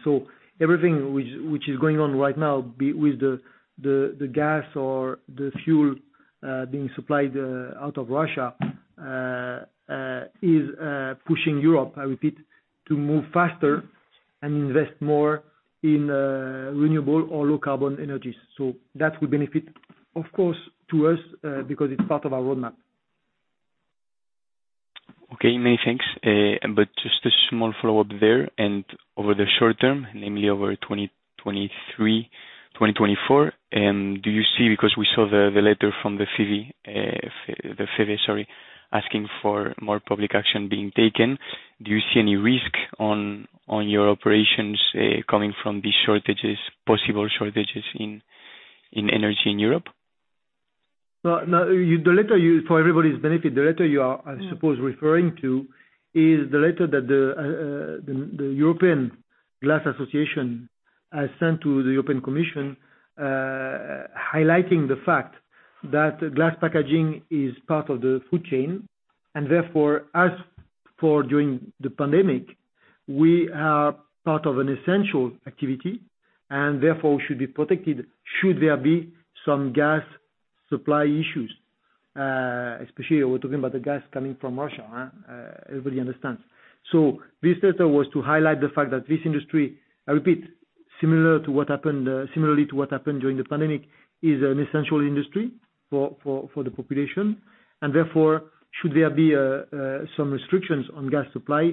Everything which is going on right now with the gas or the fuel being supplied out of Russia is pushing Europe, I repeat, to move faster and invest more in renewable or low carbon energies. That will benefit, of course, to us because it's part of our roadmap. Okay, many thanks. Just a small follow-up there and over the short term, namely over 2023, 2024, do you see? Because we saw the letter from the FEVE, sorry, asking for more public action being taken. Do you see any risk on your operations coming from these shortages, possible shortages in energy in Europe? No, no, you, the letter you are, I suppose, referring to is the letter that the European Glass Association has sent to the European Commission, highlighting the fact that glass packaging is part of the food chain and therefore as for during the pandemic, we are part of an essential activity and therefore should be protected should there be some gas supply issues, especially we're talking about the gas coming from Russia, everybody understands. This letter was to highlight the fact that this industry, I repeat, similar to what happened, similarly to what happened during the pandemic, is an essential industry for the population and therefore should there be some restrictions on gas supply,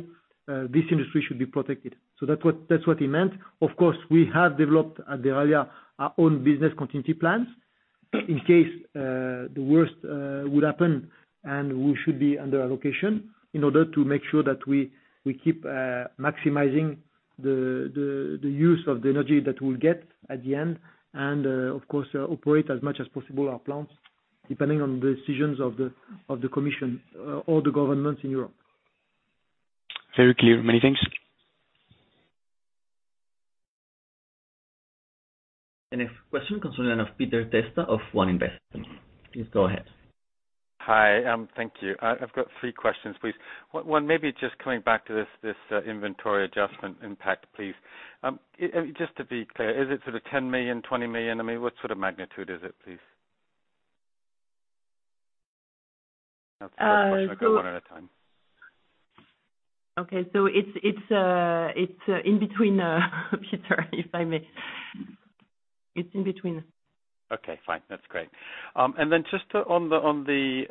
this industry should be protected. That's what he meant. Of course, we have developed at the earliest our own business continuity plans in case the worst would happen and we should be under allocation in order to make sure that we keep maximizing the use of the energy that we'll get at the end and, of course, operate as much as possible our plants depending on the decisions of the commission or the governments in Europe. Very clear. Many thanks. A question comes in of Peter Testa of One Investments. Please go ahead. Hi. Thank you. I've got three questions, please. One maybe just coming back to this, inventory adjustment impact, please. Just to be clear, is it sort of 10 million, 20 million? I mean, what sort of magnitude is it, please? That's the first question. I've got one at a time. Okay. It's in between, Peter, if I may. It's in between. Okay. Fine. That's great. Then just on the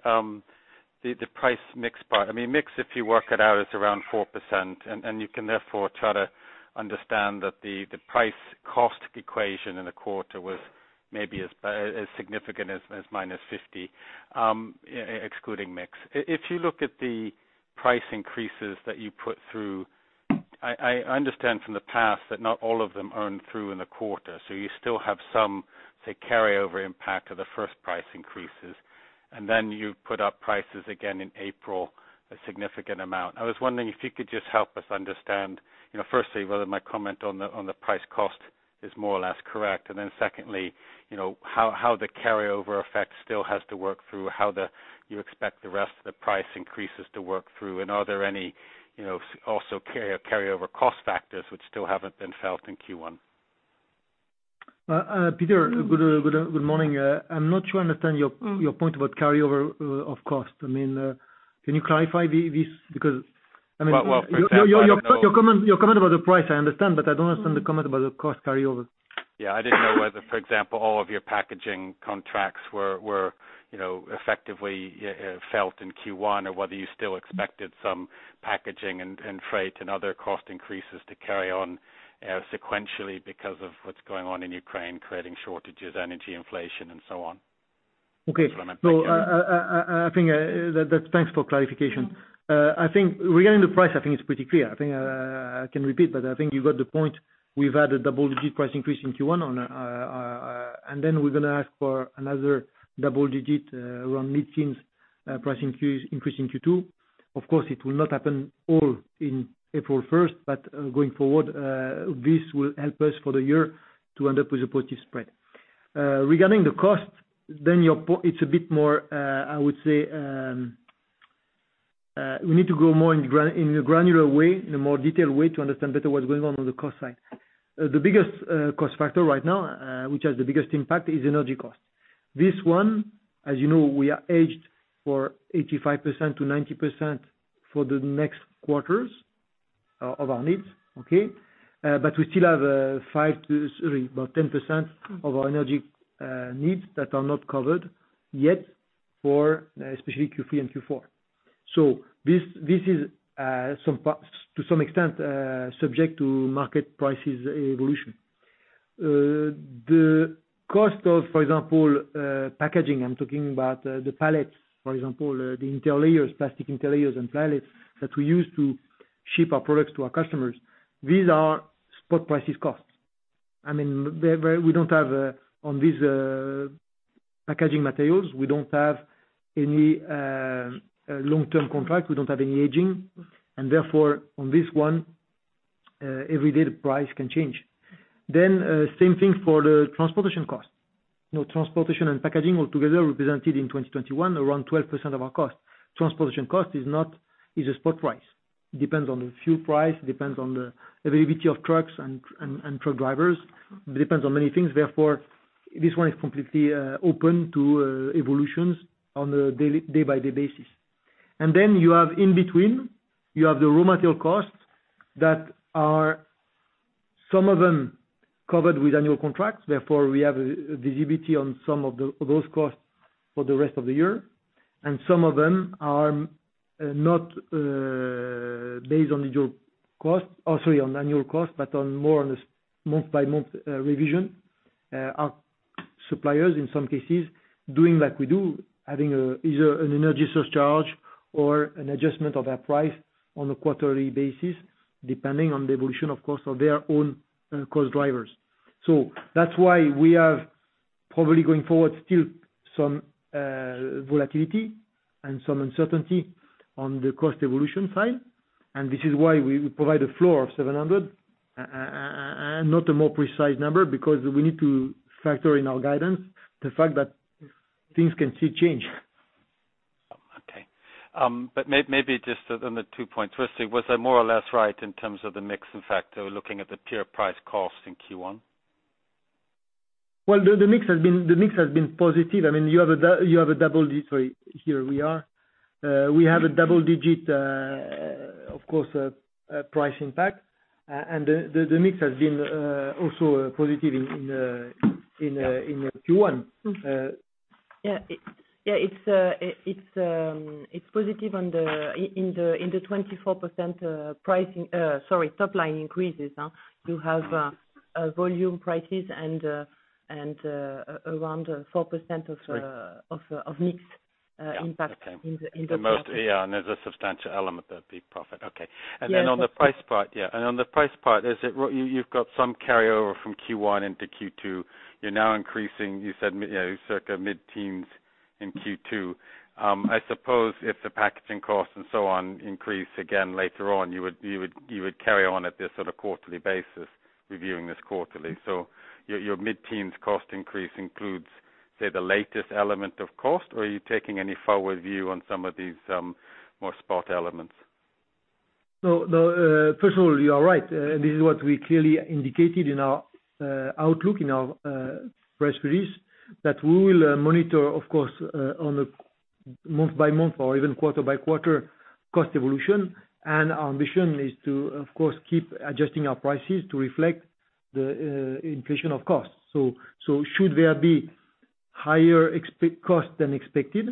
price mix part. I mean, mix, if you work it out, is around 4% and you can therefore try to understand that the price cost equation in the quarter was maybe as bad as, say, -50% excluding mix. If you look at the price increases that you put through, I understand from the past that not all of them flow through in the quarter, so you still have some, say, carryover impact of the first price increases, and then you put up prices again in April a significant amount. I was wondering if you could just help us understand, you know, firstly, whether my comment on the price cost is more or less correct. Secondly, you know, how the carryover effect still has to work through, how you expect the rest of the price increases to work through. Are there any, you know, so also carryover cost factors which still haven't been felt in Q1? Peter, good morning. I'm not sure I understand your point about carryover of cost. I mean, can you clarify this because I mean. Well, for example, I know. Your comment about the price, I understand, but I don't understand the comment about the cost carryover. Yeah. I didn't know whether, for example, all of your packaging contracts were, you know, effectively felt in Q1 or whether you still expected some packaging and freight and other cost increases to carry on, sequentially because of what's going on in Ukraine, creating shortages, energy inflation and so on. Okay. Just want to make sure. Thanks for clarification. I think regarding the price, I think it's pretty clear. I think I can repeat, but I think you got the point. We've had a double-digit price increase in Q1, and then we're gonna ask for another double-digit, around mid-teens, price increase in Q2. Of course, it will not happen all in April first, but going forward, this will help us for the year to end up with a positive spread. Regarding the cost, it's a bit more, I would say, we need to go more in a granular way, in a more detailed way to understand better what's going on on the cost side. The biggest cost factor right now, which has the biggest impact, is energy cost. This one, as you know, we are hedged for 80%-90% for the next quarters of our needs, okay? But we still have, sorry, about 10% of our energy needs that are not covered yet for especially Q3 and Q4. This is, to some extent, subject to market prices evolution. The cost of, for example, packaging, I'm talking about the pallets, for example, or the interlayers, plastic interlayers and pallets that we use to ship our products to our customers. These are spot prices costs. I mean, we don't have, on these packaging materials, we don't have any long-term contract, we don't have any hedging. Therefore, on this one, every day the price can change. Same thing for the transportation cost. You know, transportation and packaging all together represented in 2021, around 12% of our cost. Transportation cost is a spot price. Depends on the fuel price, depends on the availability of trucks and truck drivers. Depends on many things, therefore, this one is completely open to evolutions on a day by day basis. You have in between the raw material costs that are, some of them covered with annual contracts, therefore, we have visibility on some of those costs for the rest of the year. Some of them are not based on annual costs, or sorry, on annual costs, but on more on a six-month by month revision. Our suppliers in some cases doing like we do, having either an energy surcharge or an adjustment of our price on a quarterly basis, depending on the evolution, of course, of their own cost drivers. That's why we have probably going forward still some volatility and some uncertainty on the cost evolution side. This is why we provide a floor of 700 and not a more precise number, because we need to factor in our guidance the fact that things can still change. Okay, maybe just on the two points. Firstly, was I more or less right in terms of the mix factor, looking at the pure price cost in Q1? Well, the mix has been positive. I mean, we have a double digit price impact, of course. The mix has been also positive in Q1. It's positive on the 24% pricing. Sorry, top line increases, huh? You have volumes, prices and around 4% of Sorry. Of mix impact. Yeah. Okay. In the top line. There's a substantial element of EPS profit. Okay. Yeah. On the price part, yeah. On the price part, is it, you've got some carryover from Q1 into Q2. You're now increasing, you said, circa mid-teens in Q2. I suppose if the packaging costs and so on increase again later on, you would carry on at this sort of quarterly basis, reviewing this quarterly. Your mid-teens cost increase includes, say, the latest element of cost, or are you taking any forward view on some of these, more spot elements? No, first of all, you are right. This is what we clearly indicated in our outlook, in our press release, that we will monitor of course on a month-by-month or even quarter-by-quarter cost evolution. Our ambition is to, of course, keep adjusting our prices to reflect the inflation of costs. Should there be higher input costs than expected,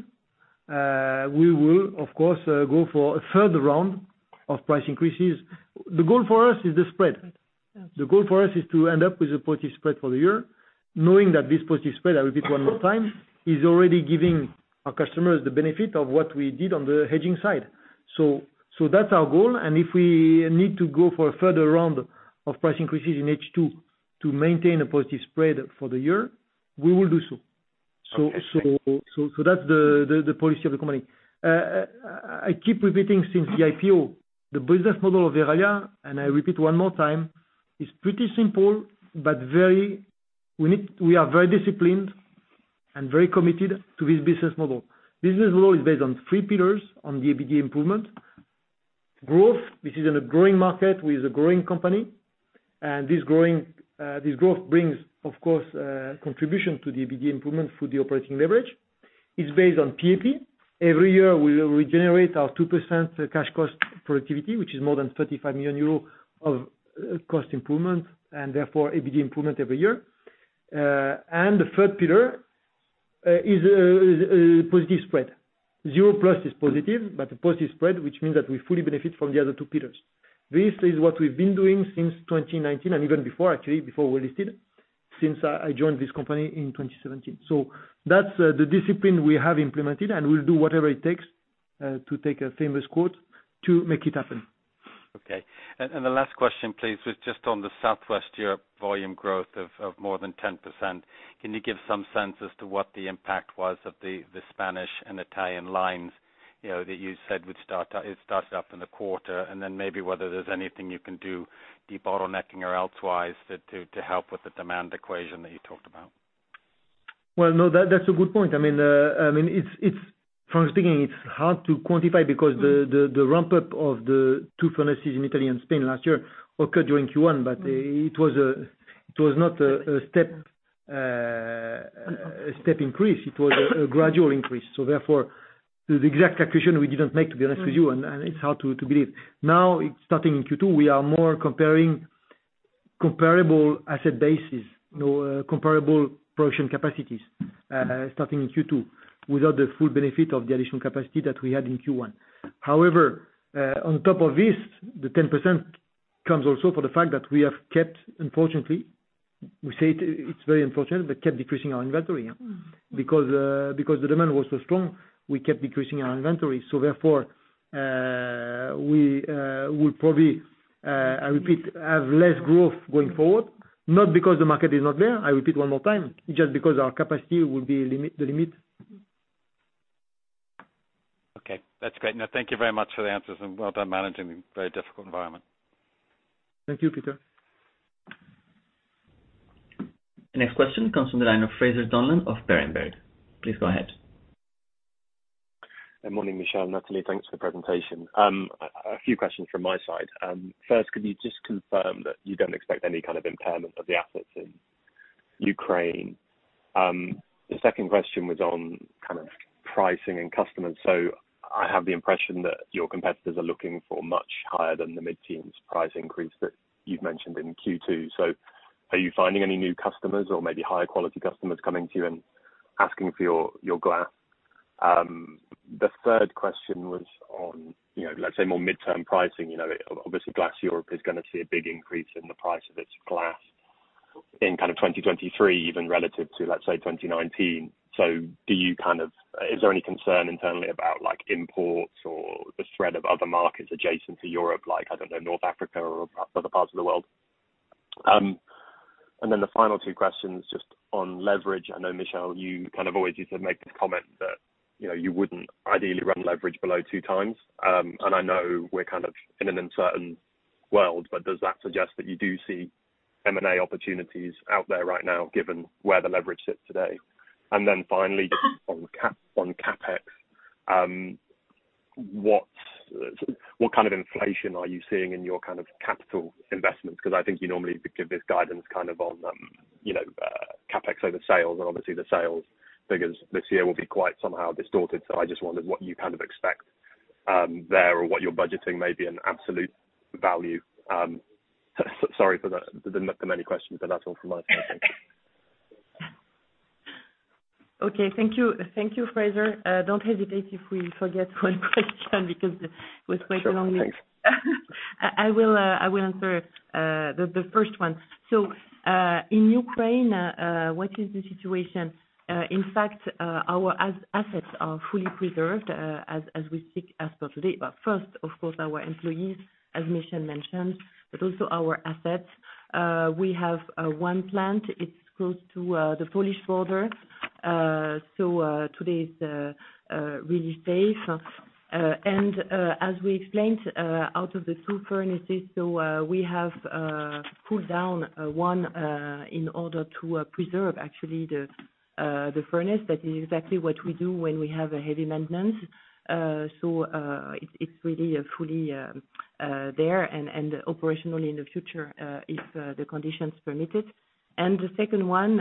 we will of course go for a further round of price increases. The goal for us is the spread. The goal for us is to end up with a positive spread for the year, knowing that this positive spread, I repeat one more time, is already giving our customers the benefit of what we did on the hedging side. that's our goal, and if we need to go for a further round of price increases in H2 to maintain a positive spread for the year, we will do so. Okay. That's the policy of the company. I keep repeating since the IPO, the business model of Verallia, and I repeat one more time, is pretty simple, but we are very disciplined and very committed to this business model. The business model is based on three pillars on the EBITDA improvement. Growth, this is in a growing market, we are a growing company. This growth brings, of course, contribution to the EBITDA improvement through the operating leverage. It's based on PAP. Every year, we regenerate our 2% cash cost productivity, which is more than 35 million euro of cost improvement, and therefore, EBITDA improvement every year. The third pillar is positive spread. 0+ is positive, but a positive spread, which means that we fully benefit from the other two pillars. This is what we've been doing since 2019, and even before actually, before we listed, since I joined this company in 2017. That's the discipline we have implemented, and we'll do whatever it takes, to take a famous quote, to make it happen. Okay. The last question, please, was just on the Southwest Europe volume growth of more than 10%. Can you give some sense as to what the impact was of the Spanish and Italian lines, you know, that you said would start up, it started up in the quarter? Then maybe whether there's anything you can do, debottlenecking or elsewise to help with the demand equation that you talked about. Well, no, that's a good point. I mean, frankly speaking, it's hard to quantify because the ramp-up of the two furnaces in Italy and Spain last year occurred during Q1. It was not a step increase, it was a gradual increase. Therefore, the exact calculation we didn't make, to be honest with you, and it's hard to believe. Now, starting in Q2, we are more comparing comparable asset bases. You know, comparable production capacities starting in Q2, without the full benefit of the additional capacity that we had in Q1. However, on top of this, the 10% comes also from the fact that we have kept decreasing our inventory. Unfortunately, we say it's very unfortunate, but kept decreasing our inventory. Because the demand was so strong, we kept decreasing our inventory. Therefore, we will probably, I repeat, have less growth going forward, not because the market is not there, I repeat one more time, just because our capacity will be limited, the limit. Okay. That's great. No, thank you very much for the answers and well done managing a very difficult environment. Thank you, Peter. The next question comes from the line of Fraser Donlon of Berenberg. Please go ahead. Good morning, Michel, Nathalie. Thanks for the presentation. A few questions from my side. First, could you just confirm that you don't expect any kind of impairment of the assets in Ukraine? The second question was on kind of pricing and customers. I have the impression that your competitors are looking for much higher than the mid-teens price increase that you've mentioned in Q2. Are you finding any new customers or maybe higher quality customers coming to you and asking for your glass? The third question was on, you know, let's say more midterm pricing. You know, obviously Glass Europe is gonna see a big increase in the price of its glass in kind of 2023 even relative to, let's say, 2019. Do you kind of... Is there any concern internally about like imports or the threat of other markets adjacent to Europe, like, I don't know, North Africa or other parts of the world? And then the final two questions just on leverage. I know Michel, you kind of always used to make the comment that, you know, you wouldn't ideally run leverage below 2x. And I know we're kind of in an uncertain world, but does that suggest that you do see M&A opportunities out there right now given where the leverage sits today? And then finally on CapEx, what kind of inflation are you seeing in your kind of capital investments? 'Cause I think you normally give this guidance kind of on, you know, CapEx over sales, and obviously the sales figures this year will be quite somewhat distorted. I just wondered what you kind of expect there, or what your budgeting may be in absolute value. Sorry for the many questions, but that's all from my side, thank you. Okay. Thank you. Thank you, Fraser. Don't hesitate if we forget one question because it was quite a long list. Sure, thanks. I will answer the first one. In Ukraine, what is the situation? In fact, our assets are fully preserved, as we speak as per today. First, of course, our employees, as Michel mentioned, but also our assets. We have one plant, it's close to the Polish border. Today it's really safe. As we explained, out of the two furnaces, we have pulled down one in order to preserve actually the furnace. That is exactly what we do when we have a heavy maintenance. It's really fully there and operational in the future, if the conditions permit it. The second one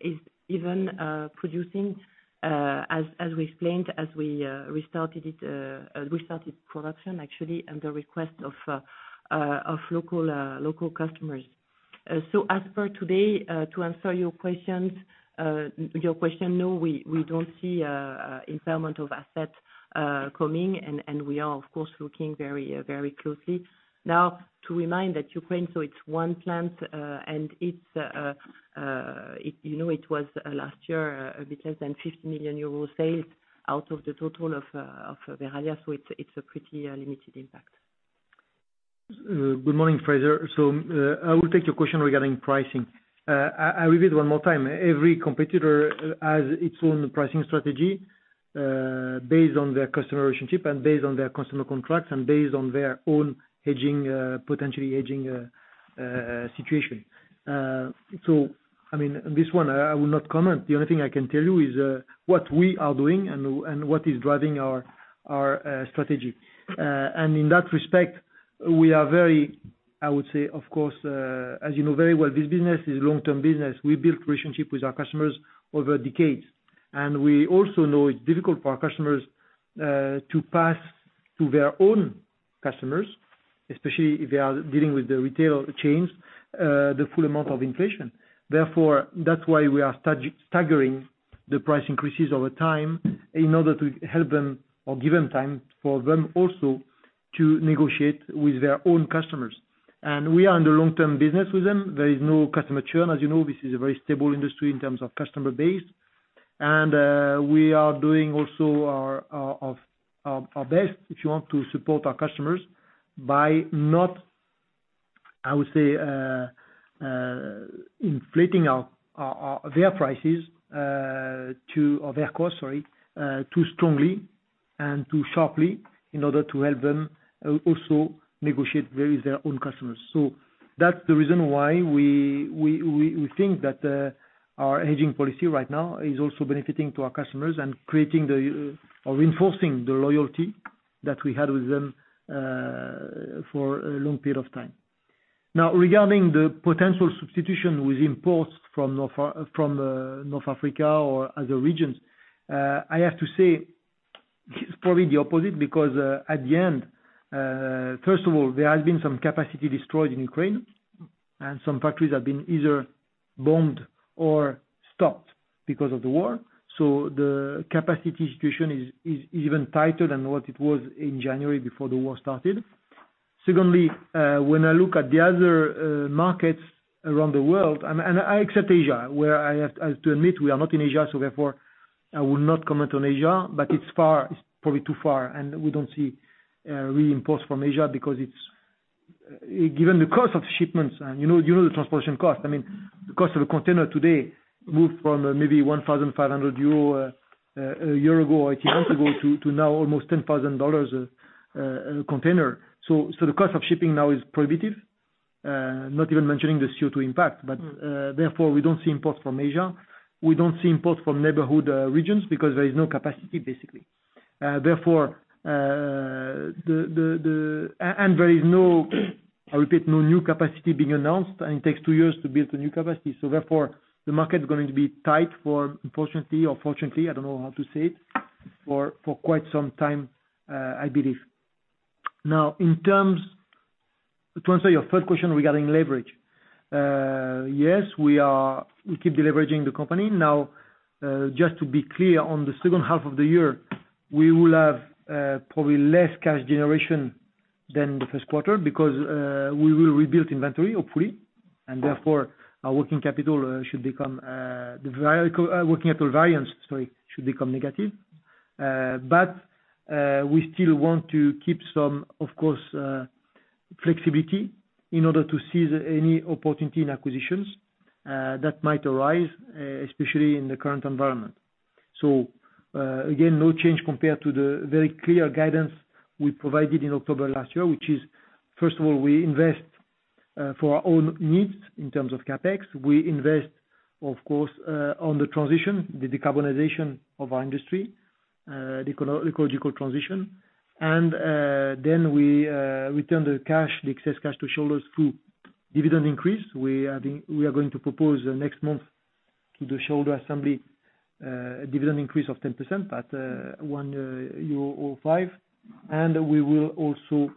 is even producing, as we explained, we restarted production actually under request of local customers. As per today, to answer your question, no, we don't see impairment of asset coming. We are of course looking very closely. Now, to remind that Ukraine, so it's one plant, and it you know it was last year a bit less than 50 million euro sales out of the total of Verallia. It's a pretty limited impact. Good morning, Fraser. I will take your question regarding pricing. I repeat one more time. Every competitor has its own pricing strategy based on their customer relationship and based on their customer contracts and based on their own potentially hedging situation. I mean, this one, I will not comment. The only thing I can tell you is what we are doing and what is driving our strategy. In that respect, we are very, I would say, of course, as you know very well, this business is long-term business. We build relationship with our customers over decades, and we also know it's difficult for our customers to pass to their own customers, especially if they are dealing with the retail chains the full amount of inflation. Therefore, that's why we are staggering the price increases over time in order to help them or give them time for them also to negotiate with their own customers. We are in the long-term business with them. There is no customer churn. As you know, this is a very stable industry in terms of customer base. We are doing also our best if you want to support our customers by not, I would say, inflating their prices. Or their cost, sorry, too strongly and too sharply in order to help them also negotiate with their own customers. That's the reason why we think that our hedging policy right now is also benefiting to our customers and creating the, or reinforcing the loyalty that we had with them for a long period of time. Now, regarding the potential substitution with imports from North Africa or other regions, I have to say it's probably the opposite because at the end, first of all, there has been some capacity destroyed in Ukraine, and some factories have been either bombed or stopped because of the war. The capacity situation is even tighter than what it was in January before the war started. Secondly, when I look at the other markets around the world and I except Asia, where I have to admit we are not in Asia, so therefore I will not comment on Asia, but it's far, probably too far, and we don't see real imports from Asia because it's given the cost of shipments and you know the transportation cost. I mean, the cost of a container today moved from maybe 1,500 euro a year ago, 18 months ago, to now almost $10,000 a container. The cost of shipping now is prohibitive, not even mentioning the CO2 impact. Therefore, we don't see imports from Asia. We don't see imports from neighborhood regions because there is no capacity, basically. Therefore, there is no, I repeat, no new capacity being announced, and it takes two years to build the new capacity. Therefore, the market is going to be tight for, unfortunately or fortunately, I don't know how to say it, for quite some time, I believe. Now, to answer your third question regarding leverage. Yes, we are, we keep deleveraging the company. Now, just to be clear, on the second half of the year, we will have probably less cash generation than the first quarter because we will rebuild inventory, hopefully. Therefore, our working capital variance, sorry, should become negative. We still want to keep some flexibility, of course, in order to seize any opportunity in acquisitions that might arise, especially in the current environment. Again, no change compared to the very clear guidance we provided in October last year, which is, first of all, we invest for our own needs in terms of CapEx. We invest, of course, on the transition, the decarbonization of our industry, the ecological transition. Then we return the cash, the excess cash to shareholders through dividend increase. We are going to propose next month to the shareholder assembly a dividend increase of 10% at 1.50 euro. We will also,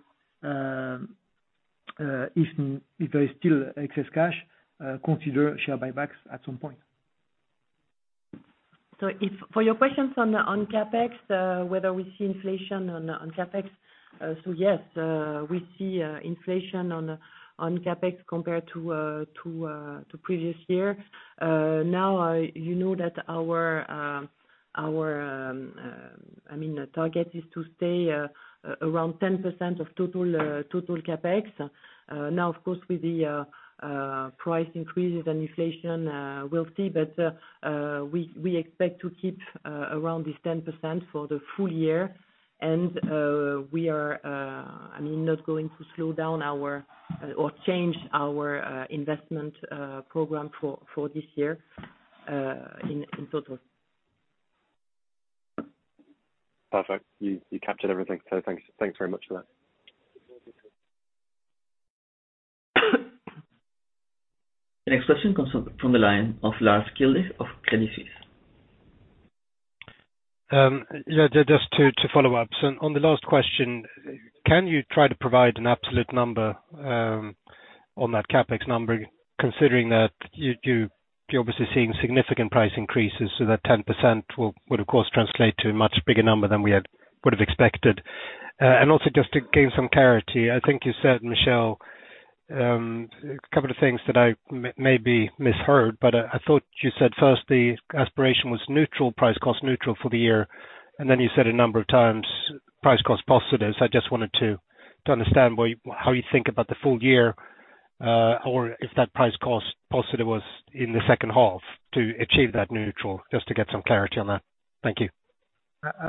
if there is still excess cash, consider share buybacks at some point. For your questions on CapEx, we see inflation on CapEx compared to previous year. You know that our target is to stay around 10% of total CapEx. Of course, with the price increases and inflation, we'll see. We expect to keep around this 10% for the full year. We are, I mean, not going to slow down our investment program or change our investment program for this year in total. Perfect. You captured everything. Thanks very much for that. The next question comes from the line of Lars Kjellberg of Credit Suisse. Yeah, just to follow up. On the last question, can you try to provide an absolute number on that CapEx number, considering that you're obviously seeing significant price increases, so that 10% would of course translate to a much bigger number than we would have expected. Also just to gain some clarity, I think you said, Michel, a couple of things that I maybe misheard, but I thought you said first the aspiration was neutral, price cost neutral for the year, and then you said a number of times price cost positive. I just wanted to understand where, how you think about the full year, or if that price cost positive was in the second half to achieve that neutral, just to get some clarity on that. Thank you.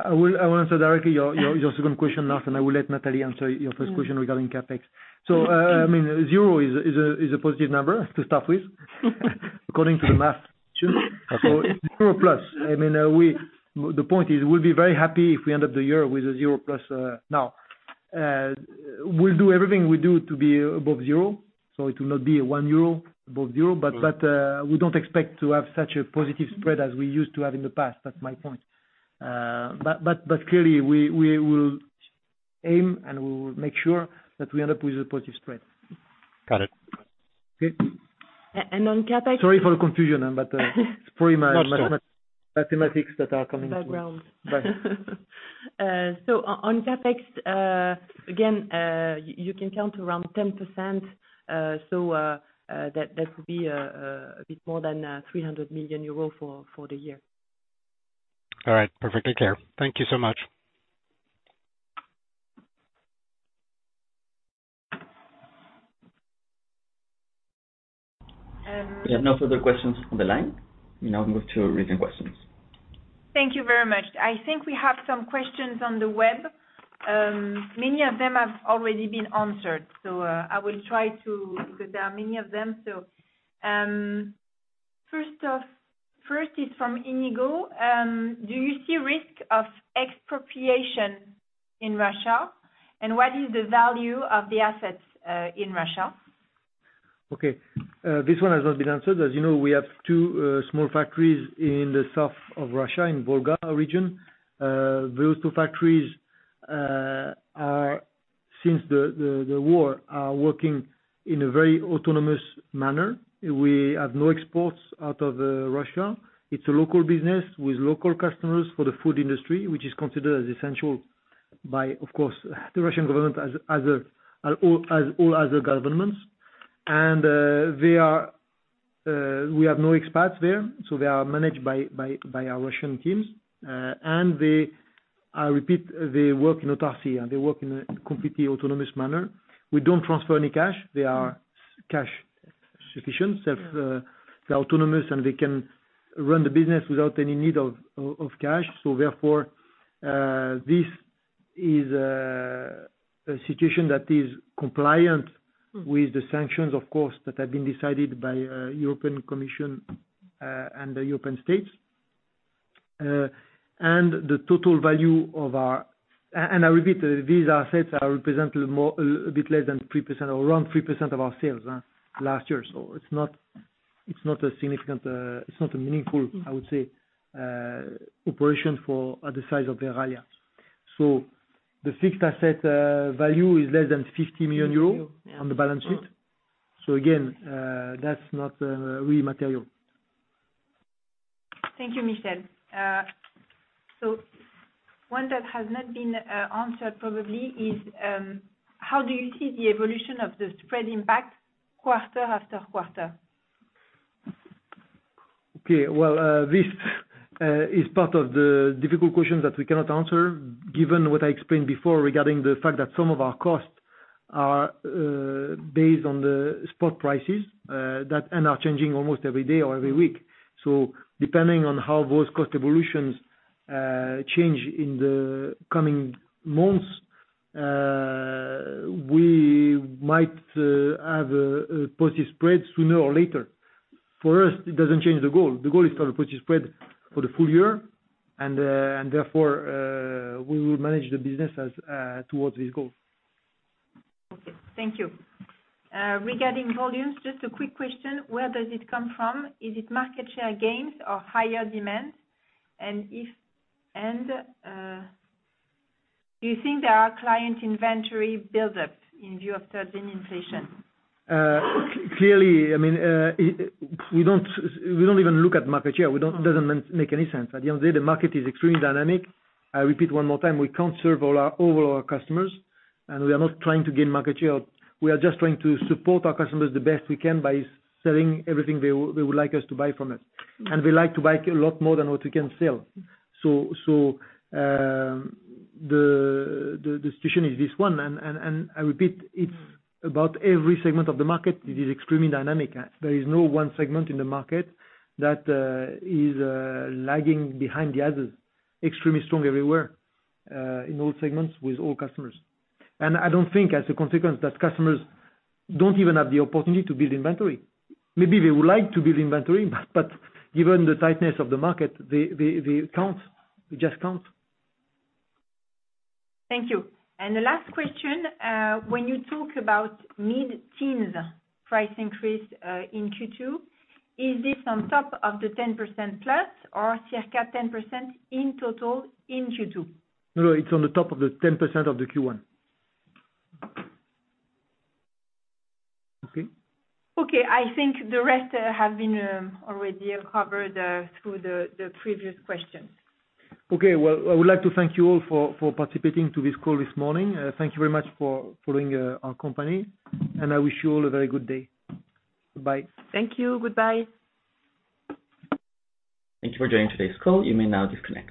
I will answer directly your second question, Lars, and I will let Nathalie answer your first question regarding CapEx. I mean, zero is a positive number to start with. According to the math too. Okay. 0+. I mean, the point is, we'll be very happy if we end up the year with a 0+, now. We'll do everything we do to be above zero, so it will not be a 1 euro above zero. Mm-hmm. We don't expect to have such a positive spread as we used to have in the past, that's my point. Clearly, we will aim, and we will make sure that we end up with a positive spread. Got it. Okay. On CapEx. Sorry for the confusion. Not sure. Mathematics that are coming from- Background. Right. On CapEx, again, you can count around 10%, so that will be a bit more than 300 million euro for the year. All right. Perfectly clear. Thank you so much. Um- We have no further questions on the line. We now move to written questions. Thank you very much. I think we have some questions on the web. Many of them have already been answered. I will try to because there are many of them. First off, first is from Iñigo. Do you see risk of expropriation in Russia? And what is the value of the assets in Russia? Okay. This one has not been answered. As you know, we have two small factories in the south of Russia, in Volga region. Those two factories are, since the war, working in a very autonomous manner. We have no exports out of Russia. It's a local business with local customers for the food industry, which is considered essential by, of course, the Russian government as all other governments. We have no expats there, so they are managed by our Russian teams. They, I repeat, they work in autarchy. They work in a completely autonomous manner. We don't transfer any cash. They are self-sufficient. They're autonomous, and they can run the business without any need of cash. Therefore, this is a situation that is compliant with the sanctions, of course, that have been decided by European Commission and the European states. The total value of our and I repeat, these assets are represented more a bit less than 3% or around 3% of our sales last year. It's not a significant, it's not a meaningful Mm-hmm. I would say operating at the size of Verallia. The fixed asset value is less than 50 million euros. euro, yeah. on the balance sheet. Again, that's not really material. Thank you, Michel. One that has not been answered probably is, how do you see the evolution of the spread impact quarter after quarter? Well, this is part of the difficult questions that we cannot answer, given what I explained before regarding the fact that some of our costs are based on the spot prices that and are changing almost every day or every week. Depending on how those cost evolutions change in the coming months, we might have positive spreads sooner or later. For us, it doesn't change the goal. The goal is for a positive spread for the full year and therefore we will manage the business as towards this goal. Okay. Thank you. Regarding volumes, just a quick question, where does it come from? Is it market share gains or higher demand? Do you think there are client inventory build-ups in view of third-degree inflation? Clearly, I mean, we don't even look at market share. It doesn't make any sense. At the end of the day, the market is extremely dynamic. I repeat one more time, we can't serve all our customers, and we are not trying to gain market share. We are just trying to support our customers the best we can by selling everything they would like us to buy from us. They like to buy a lot more than what we can sell. The situation is this one. I repeat. Mm. It's about every segment of the market. It is extremely dynamic. There is no one segment in the market that is lagging behind the others. Extremely strong everywhere in all segments with all customers. I don't think as a consequence that customers don't even have the opportunity to build inventory. Maybe they would like to build inventory, but given the tightness of the market, they can't. We just can't. Thank you. The last question, when you talk about mid-teens price increase in Q2, is this on top of the 10%+ or circa 10% in total in Q2? No. It's on the top of the 10% of the Q1. Okay? Okay. I think the rest have been already covered through the previous questions. Okay. Well, I would like to thank you all for participating to this call this morning. Thank you very much for following our company, and I wish you all a very good day. Bye. Thank you. Goodbye. Thank you for joining today's call. You may now disconnect.